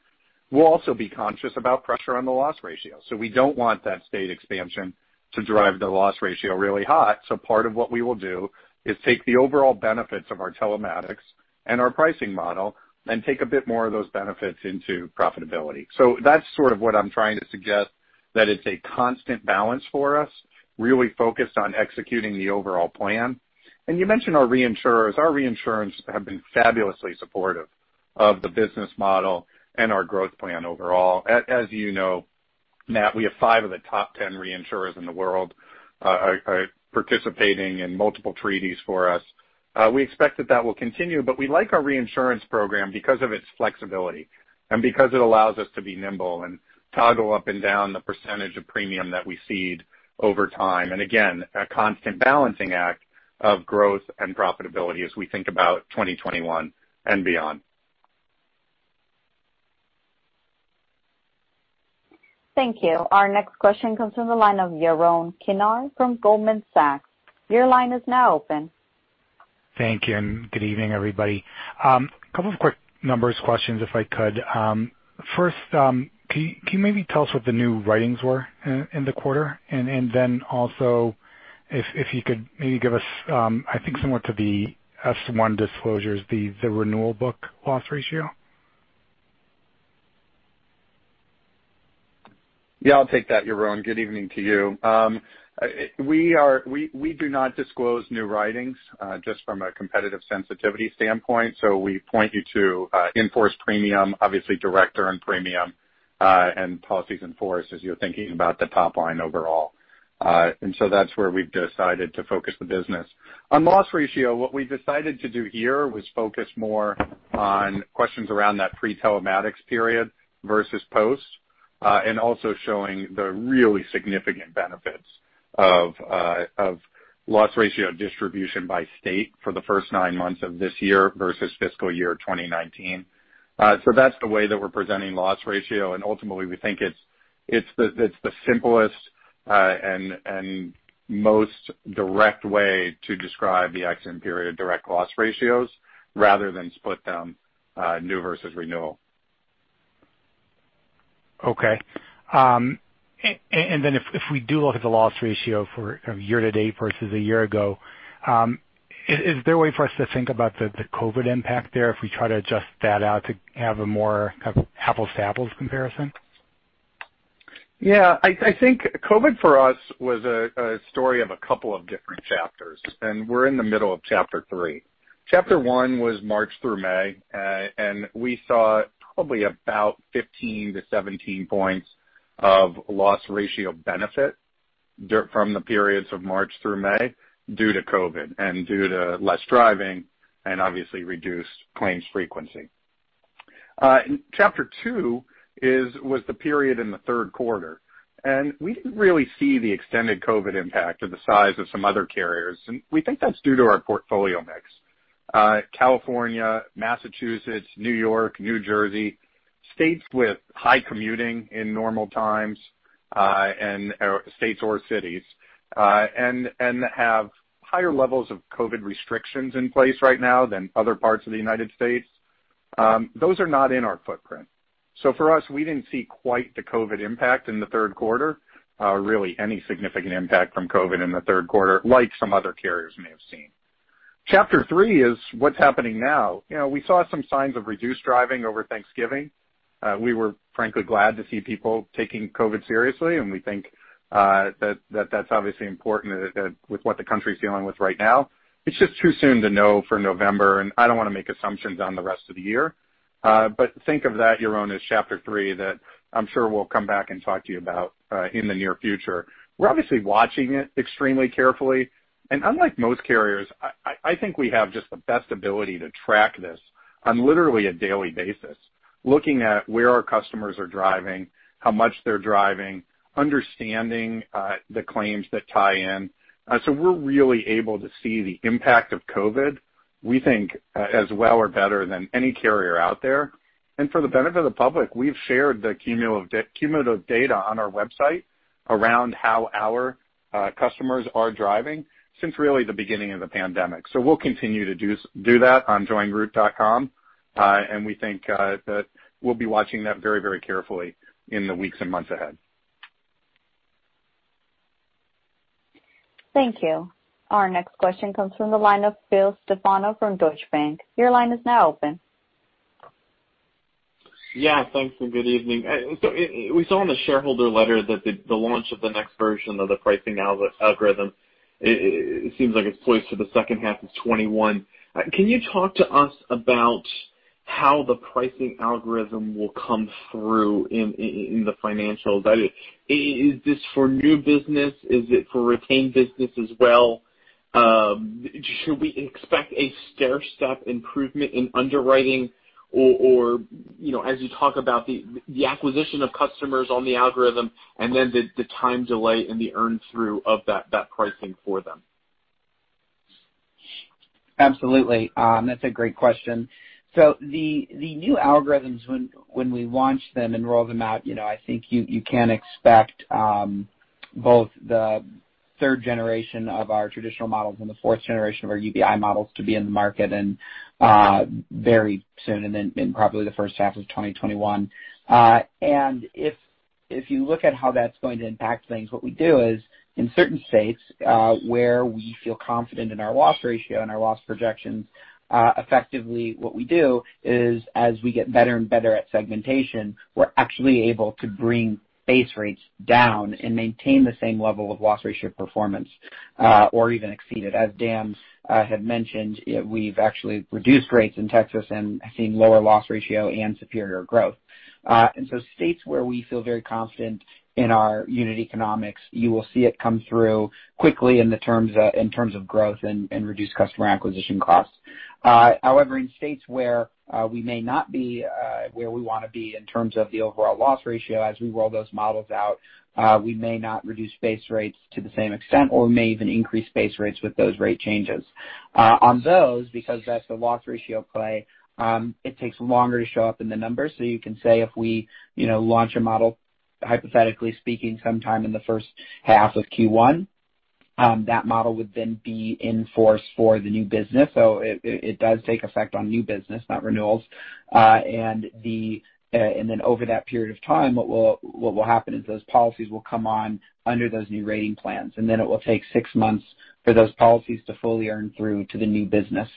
we'll also be conscious about pressure on the loss ratio. So we don't want that state expansion to drive the loss ratio really hot. So part of what we will do is take the overall benefits of our telematics and our pricing model and take a bit more of those benefits into profitability. So that's sort of what I'm trying to suggest, that it's a constant balance for us, really focused on executing the overall plan. And you mentioned our reinsurers. Our reinsurers have been fabulously supportive of the business model and our growth plan overall. As you know, Matt, we have five of the top 10 reinsurers in the world participating in multiple treaties for us. We expect that that will continue, but we like our reinsurance program because of its flexibility and because it allows us to be nimble and toggle up and down the percentage of premium that we cede over time, and again, a constant balancing act of growth and profitability as we think about 2021 and beyond. Thank you. Our next question comes from the line of Yaron Kinar from Goldman Sachs. Your line is now open. Thank you. And good evening, everybody. A couple of quick numbers questions if I could. First, can you maybe tell us what the new writings were in the quarter? And then also if you could maybe give us, I think similar to the S-1 disclosures, the renewal book loss ratio? Yeah, I'll take that, Yaron. Good evening to you. We do not disclose new writings just from a competitive sensitivity standpoint. So we point you to in force premium, obviously direct earned premium, and policies in force as you're thinking about the top line overall. And so that's where we've decided to focus the business. On loss ratio, what we decided to do here was focus more on questions around that pre-telematics period versus post, and also showing the really significant benefits of loss ratio distribution by state for the first nine months of this year versus fiscal year 2019. So that's the way that we're presenting loss ratio. And ultimately, we think it's the simplest and most direct way to describe the exit period direct loss ratios rather than split them new versus renewal. Okay. And then if we do look at the loss ratio for year to date versus a year ago, is there a way for us to think about the COVID impact there if we try to adjust that out to have a more apples to apples comparison? Yeah. I think COVID for us was a story of a couple of different chapters. And we're in the middle of chapter three. Chapter one was March through May, and we saw probably about 15-17 points of loss ratio benefit from the periods of March through May due to COVID and due to less driving and obviously reduced claims frequency. Chapter two was the period in the third quarter. And we didn't really see the extended COVID impact to the size of some other carriers. And we think that's due to our portfolio mix: California, Massachusetts, New York, New Jersey, states with high commuting in normal times and states or cities, and have higher levels of COVID restrictions in place right now than other parts of the United States. Those are not in our footprint. So for us, we didn't see quite the COVID impact in the third quarter, really any significant impact from COVID in the third quarter, like some other carriers may have seen. Chapter three is what's happening now. We saw some signs of reduced driving over Thanksgiving. We were frankly glad to see people taking COVID seriously, and we think that that's obviously important with what the country is dealing with right now. It's just too soon to know for November, and I don't want to make assumptions on the rest of the year. But think of that, Yaron, as chapter three that I'm sure we'll come back and talk to you about in the near future. We're obviously watching it extremely carefully. And unlike most carriers, I think we have just the best ability to track this on literally a daily basis, looking at where our customers are driving, how much they're driving, understanding the claims that tie in. So we're really able to see the impact of COVID, we think, as well or better than any carrier out there. And for the benefit of the public, we've shared the cumulative data on our website around how our customers are driving since really the beginning of the pandemic. So we'll continue to do that on joinroot.com. And we think that we'll be watching that very, very carefully in the weeks and months ahead. Thank you. Our next question comes from the line of Phil Stefano from Deutsche Bank. Your line is now open. Yeah. Thanks and good evening. So we saw in the shareholder letter that the launch of the next version of the pricing algorithm, it seems like it's poised for the second half of 2021. Can you talk to us about how the pricing algorithm will come through in the financials? Is this for new business? Is it for retained business as well? Should we expect a stair-step improvement in underwriting or, as you talk about, the acquisition of customers on the algorithm and then the time delay in the earn-through of that pricing for them? Absolutely. That's a great question, so the new algorithms, when we launch them and roll them out, I think you can expect both the third generation of our traditional models and the fourth generation of our UBI models to be in the market very soon and then probably the first half of 2021, and if you look at how that's going to impact things, what we do is, in certain states where we feel confident in our loss ratio and our loss projections, effectively what we do is, as we get better and better at segmentation, we're actually able to bring base rates down and maintain the same level of loss ratio performance or even exceed it. As Dan had mentioned, we've actually reduced rates in Texas and seen lower loss ratio and superior growth. And so states where we feel very confident in our unit economics, you will see it come through quickly in terms of growth and reduced customer acquisition costs. However, in states where we may not be where we want to be in terms of the overall loss ratio, as we roll those models out, we may not reduce base rates to the same extent, or we may even increase base rates with those rate changes. On those, because that's the loss ratio play, it takes longer to show up in the numbers. So you can say if we launch a model, hypothetically speaking, sometime in the first half of Q1, that model would then be in force for the new business. So it does take effect on new business, not renewals. Over that period of time, what will happen is those policies will come on under those new rating plans. It will take six months for those policies to fully earn through to the new business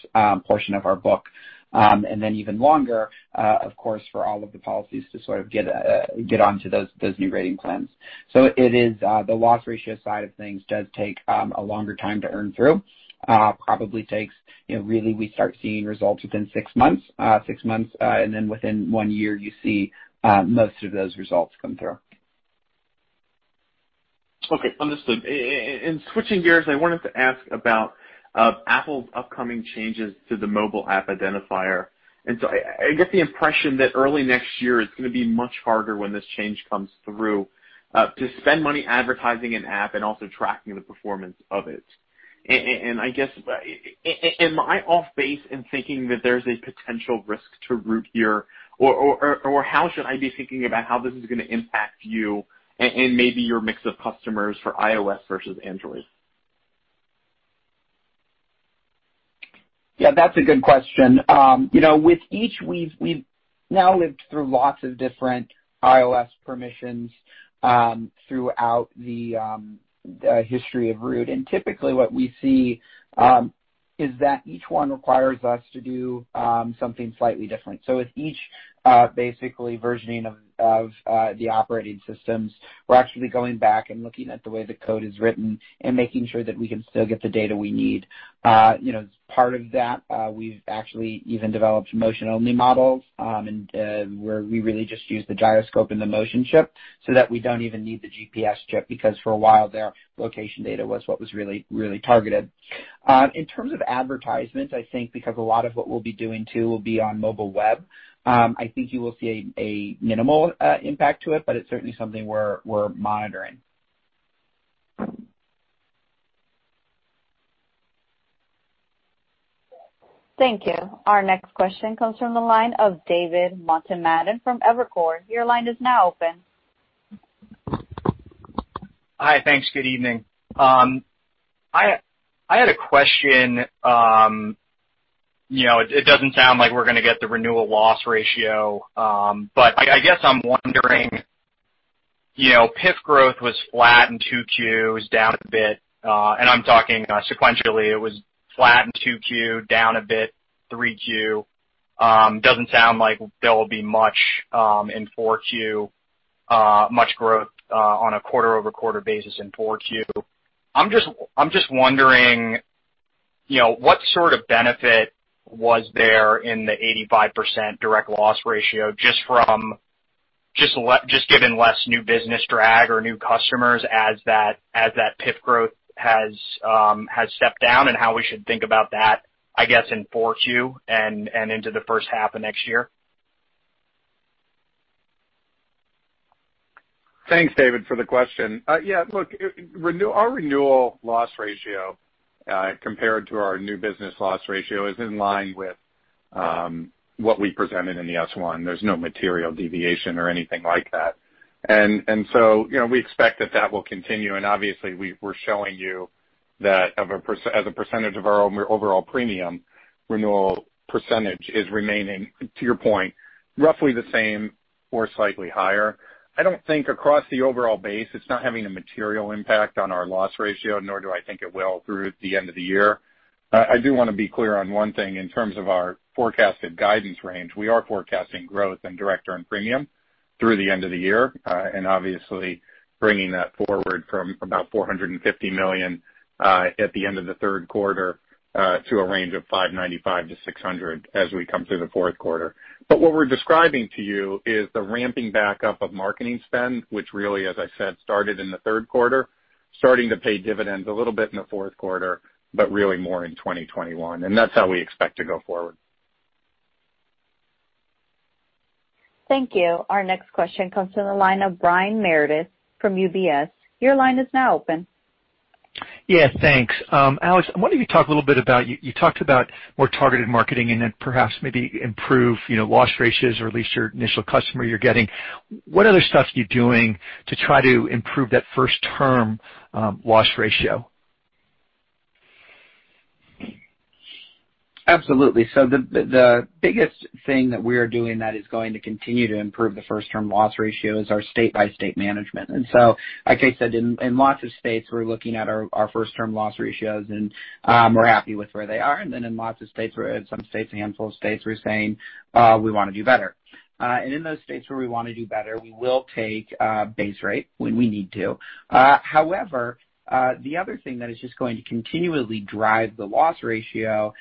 portion of our book, and then even longer, of course, for all of the policies to sort of get onto those new rating plans. The loss ratio side of things does take a longer time to earn through. Probably takes really, we start seeing results within six months. Six months, and then within one year, you see most of those results come through. Okay. Understood. And switching gears, I wanted to ask about Apple's upcoming changes to the mobile app identifier. And so I get the impression that early next year, it's going to be much harder when this change comes through to spend money advertising an app and also tracking the performance of it. And I guess, am I off base in thinking that there's a potential risk to Root here, or how should I be thinking about how this is going to impact you and maybe your mix of customers for iOS versus Android? Yeah, that's a good question. With each, we've now lived through lots of different iOS permissions throughout the history of Root, and typically, what we see is that each one requires us to do something slightly different, so with each, basically versioning of the operating systems, we're actually going back and looking at the way the code is written and making sure that we can still get the data we need. As part of that, we've actually even developed motion-only models where we really just use the gyroscope and the motion chip so that we don't even need the GPS chip because for a while, their location data was what was really, really targeted. In terms of advertisement, I think because a lot of what we'll be doing too will be on mobile web, I think you will see a minimal impact to it, but it's certainly something we're monitoring. Thank you. Our next question comes from the line of David Motemaden from Evercore. Your line is now open. Hi. Thanks. Good evening. I had a question. It doesn't sound like we're going to get the renewal loss ratio, but I guess I'm wondering, PIF growth was flat in 2Q, was down a bit, and I'm talking sequentially. It was flat in 2Q, down a bit, 3Q. Doesn't sound like there will be much in 4Q, much growth on a quarter-over-quarter basis in 4Q. I'm just wondering what sort of benefit was there in the 85% direct loss ratio just given less new business drag or new customers as that PIF growth has stepped down and how we should think about that, I guess, in 4Q and into the first half of next year? Thanks, David, for the question. Yeah. Look, our renewal loss ratio compared to our new business loss ratio is in line with what we presented in the S-1. There's no material deviation or anything like that. And so we expect that that will continue. And obviously, we're showing you that as a percentage of our overall premium, renewal percentage is remaining, to your point, roughly the same or slightly higher. I don't think across the overall base, it's not having a material impact on our loss ratio, nor do I think it will through the end of the year. I do want to be clear on one thing. In terms of our forecasted guidance range, we are forecasting growth in direct earned premium through the end of the year and obviously bringing that forward from about $450 million at the end of the third quarter to a range of $595 million-$600 million as we come through the fourth quarter. But what we're describing to you is the ramping back up of marketing spend, which really, as I said, started in the third quarter, starting to pay dividends a little bit in the fourth quarter, but really more in 2021. And that's how we expect to go forward. Thank you. Our next question comes from the line of Brian Meredith from UBS. Your line is now open. Yes, thanks. Alex, I wanted you to talk a little bit about you talked about more targeted marketing and then perhaps maybe improve loss ratios or at least your initial customer you're getting. What other stuff are you doing to try to improve that first-term loss ratio? Absolutely. So the biggest thing that we are doing that is going to continue to improve the first-term loss ratio is our state-by-state management. And so, like I said, in lots of states, we're looking at our first-term loss ratios, and we're happy with where they are. And then in a handful of states, we're saying, "We want to do better." And in those states where we want to do better, we will take base rate when we need to. However, the other thing that is just going to continually drive the loss ratio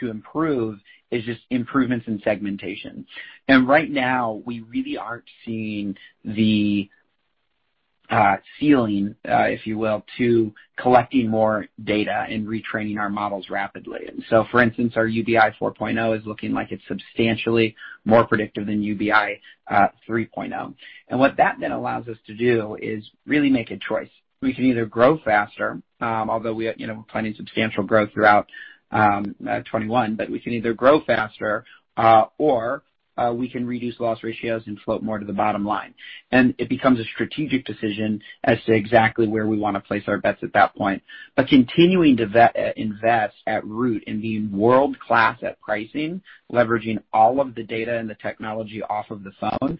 to improve is just improvements in segmentation. And right now, we really aren't seeing the ceiling, if you will, to collecting more data and retraining our models rapidly. And so, for instance, our UBI 4.0 is looking like it's substantially more predictive than UBI 3.0. What that then allows us to do is really make a choice. We can either grow faster, although we're planning substantial growth throughout 2021, but we can either grow faster or we can reduce loss ratios and float more to the bottom line. It becomes a strategic decision as to exactly where we want to place our bets at that point. Continuing to invest at Root and being world-class at pricing, leveraging all of the data and the technology off of the phone,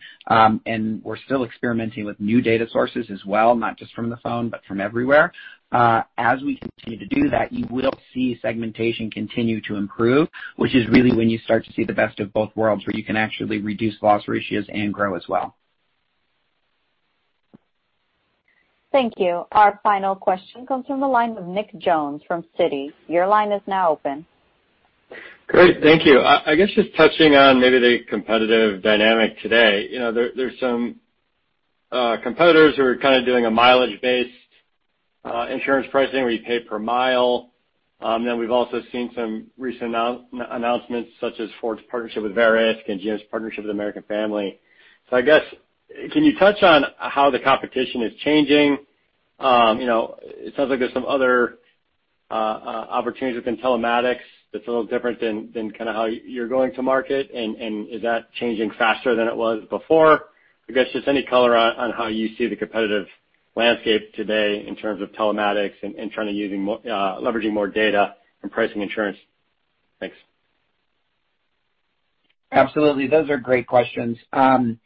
and we're still experimenting with new data sources as well, not just from the phone, but from everywhere. As we continue to do that, you will see segmentation continue to improve, which is really when you start to see the best of both worlds where you can actually reduce loss ratios and grow as well. Thank you. Our final question comes from the line of Nick Jones from Citi. Your line is now open. Great. Thank you. I guess just touching on maybe the competitive dynamic today. There's some competitors who are kind of doing a mileage-based insurance pricing where you pay per mile. Then we've also seen some recent announcements such as Ford's partnership with Verisk and GM's partnership with American Family. So I guess, can you touch on how the competition is changing? It sounds like there's some other opportunities within telematics that's a little different than kind of how you're going to market, and is that changing faster than it was before? I guess just any color on how you see the competitive landscape today in terms of telematics and trying to leverage more data and pricing insurance. Thanks. Absolutely. Those are great questions. In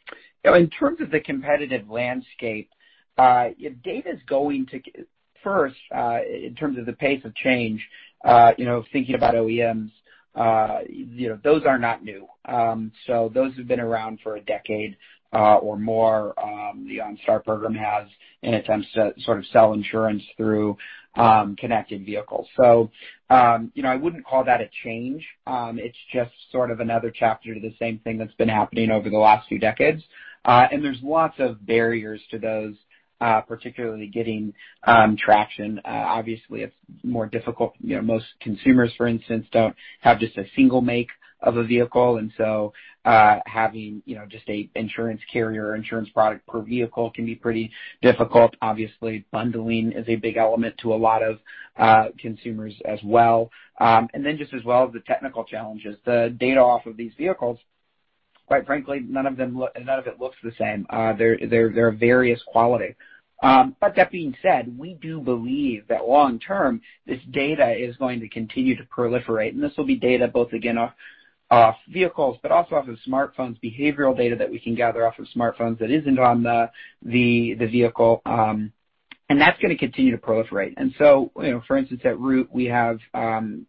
terms of the competitive landscape, data is going to first, in terms of the pace of change, thinking about OEMs, those are not new. So those have been around for a decade or more. The OnStar program has in attempts to sort of sell insurance through connected vehicles. So I wouldn't call that a change. It's just sort of another chapter to the same thing that's been happening over the last few decades. And there's lots of barriers to those, particularly getting traction. Obviously, it's more difficult. Most consumers, for instance, don't have just a single make of a vehicle. And so having just an insurance carrier or insurance product per vehicle can be pretty difficult. Obviously, bundling is a big element to a lot of consumers as well. And then, just as well as the technical challenges, the data off of these vehicles, quite frankly, none of it looks the same. They're of various quality. But that being said, we do believe that long-term, this data is going to continue to proliferate. And this will be data both, again, off vehicles, but also off of smartphones, behavioral data that we can gather off of smartphones that isn't on the vehicle. And that's going to continue to proliferate. And so, for instance, at Root, we have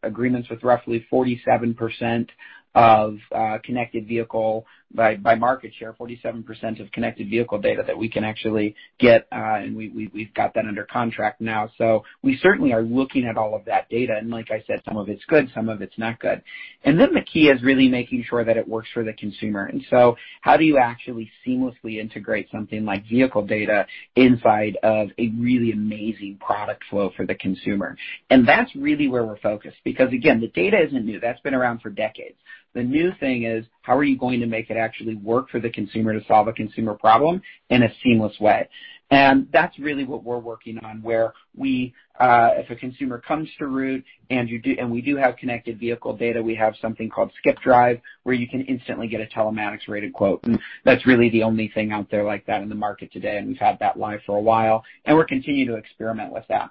agreements with roughly 47% of connected vehicle by market share, 47% of connected vehicle data that we can actually get. And we've got that under contract now. So we certainly are looking at all of that data. And like I said, some of it's good, some of it's not good. And then the key is really making sure that it works for the consumer. And so how do you actually seamlessly integrate something like vehicle data inside of a really amazing product flow for the consumer? And that's really where we're focused because, again, the data isn't new. That's been around for decades. The new thing is, how are you going to make it actually work for the consumer to solve a consumer problem in a seamless way? And that's really what we're working on, where if a consumer comes to Root and we do have connected vehicle data, we have something called Skip Drive where you can instantly get a telematics-rated quote. And that's really the only thing out there like that in the market today. And we've had that live for a while. And we're continuing to experiment with that.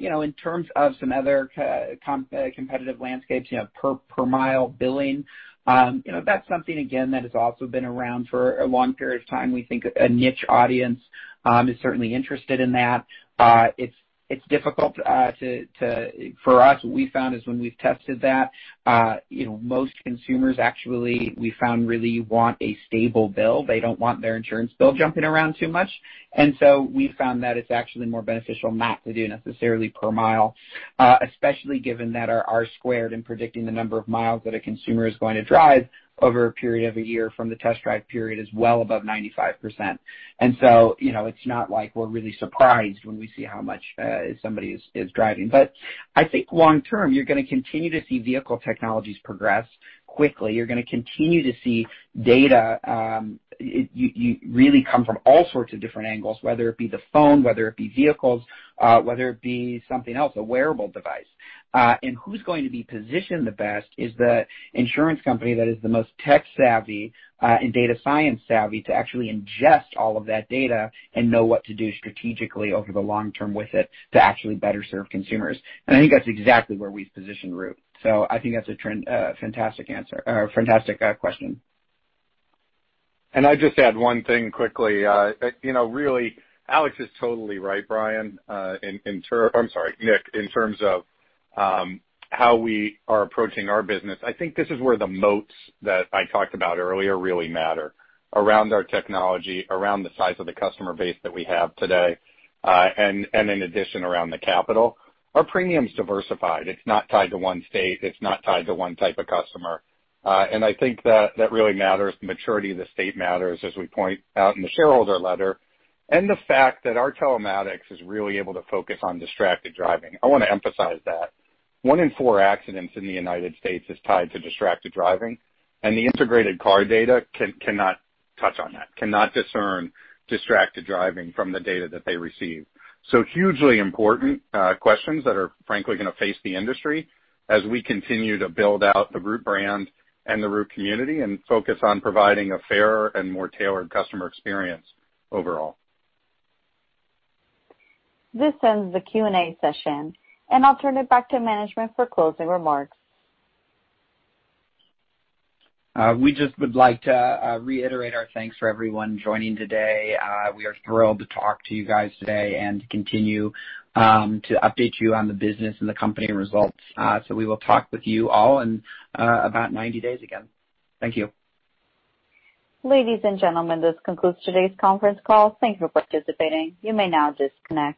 In terms of some other competitive landscapes, per-mile billing, that's something, again, that has also been around for a long period of time. We think a niche audience is certainly interested in that. It's difficult for us. What we found is when we've tested that, most consumers actually, we found really want a stable bill. They don't want their insurance bill jumping around too much, and so we found that it's actually more beneficial not to do necessarily per mile, especially given that our R-squared in predicting the number of miles that a consumer is going to drive over a period of a year from the test drive period is well above 95%. And so it's not like we're really surprised when we see how much somebody is driving, but I think long-term, you're going to continue to see vehicle technologies progress quickly. You're going to continue to see data really come from all sorts of different angles, whether it be the phone, whether it be vehicles, whether it be something else, a wearable device. And who's going to be positioned the best is the insurance company that is the most tech-savvy and data science-savvy to actually ingest all of that data and know what to do strategically over the long term with it to actually better serve consumers. And I think that's exactly where we've positioned Root. So I think that's a fantastic answer or fantastic question. I'd just add one thing quickly. Really, Alex is totally right, Brian, in terms, I'm sorry, Nick, in terms of how we are approaching our business. I think this is where the moats that I talked about earlier really matter around our technology, around the size of the customer base that we have today, and in addition, around the capital. Our premium's diversified. It's not tied to one state. It's not tied to one type of customer. And I think that really matters. The maturity of the state matters, as we point out in the shareholder letter, and the fact that our telematics is really able to focus on distracted driving. I want to emphasize that. One in four accidents in the United States is tied to distracted driving. And the integrated car data cannot touch on that, cannot discern distracted driving from the data that they receive. Hugely important questions that are, frankly, going to face the industry as we continue to build out the Root brand and the Root community and focus on providing a fairer and more tailored customer experience overall. This ends the Q&A session. I'll turn it back to management for closing remarks. We just would like to reiterate our thanks for everyone joining today. We are thrilled to talk to you guys today and to continue to update you on the business and the company results. So we will talk with you all in about 90 days again. Thank you. Ladies and gentlemen, this concludes today's conference call. Thank you for participating. You may now disconnect.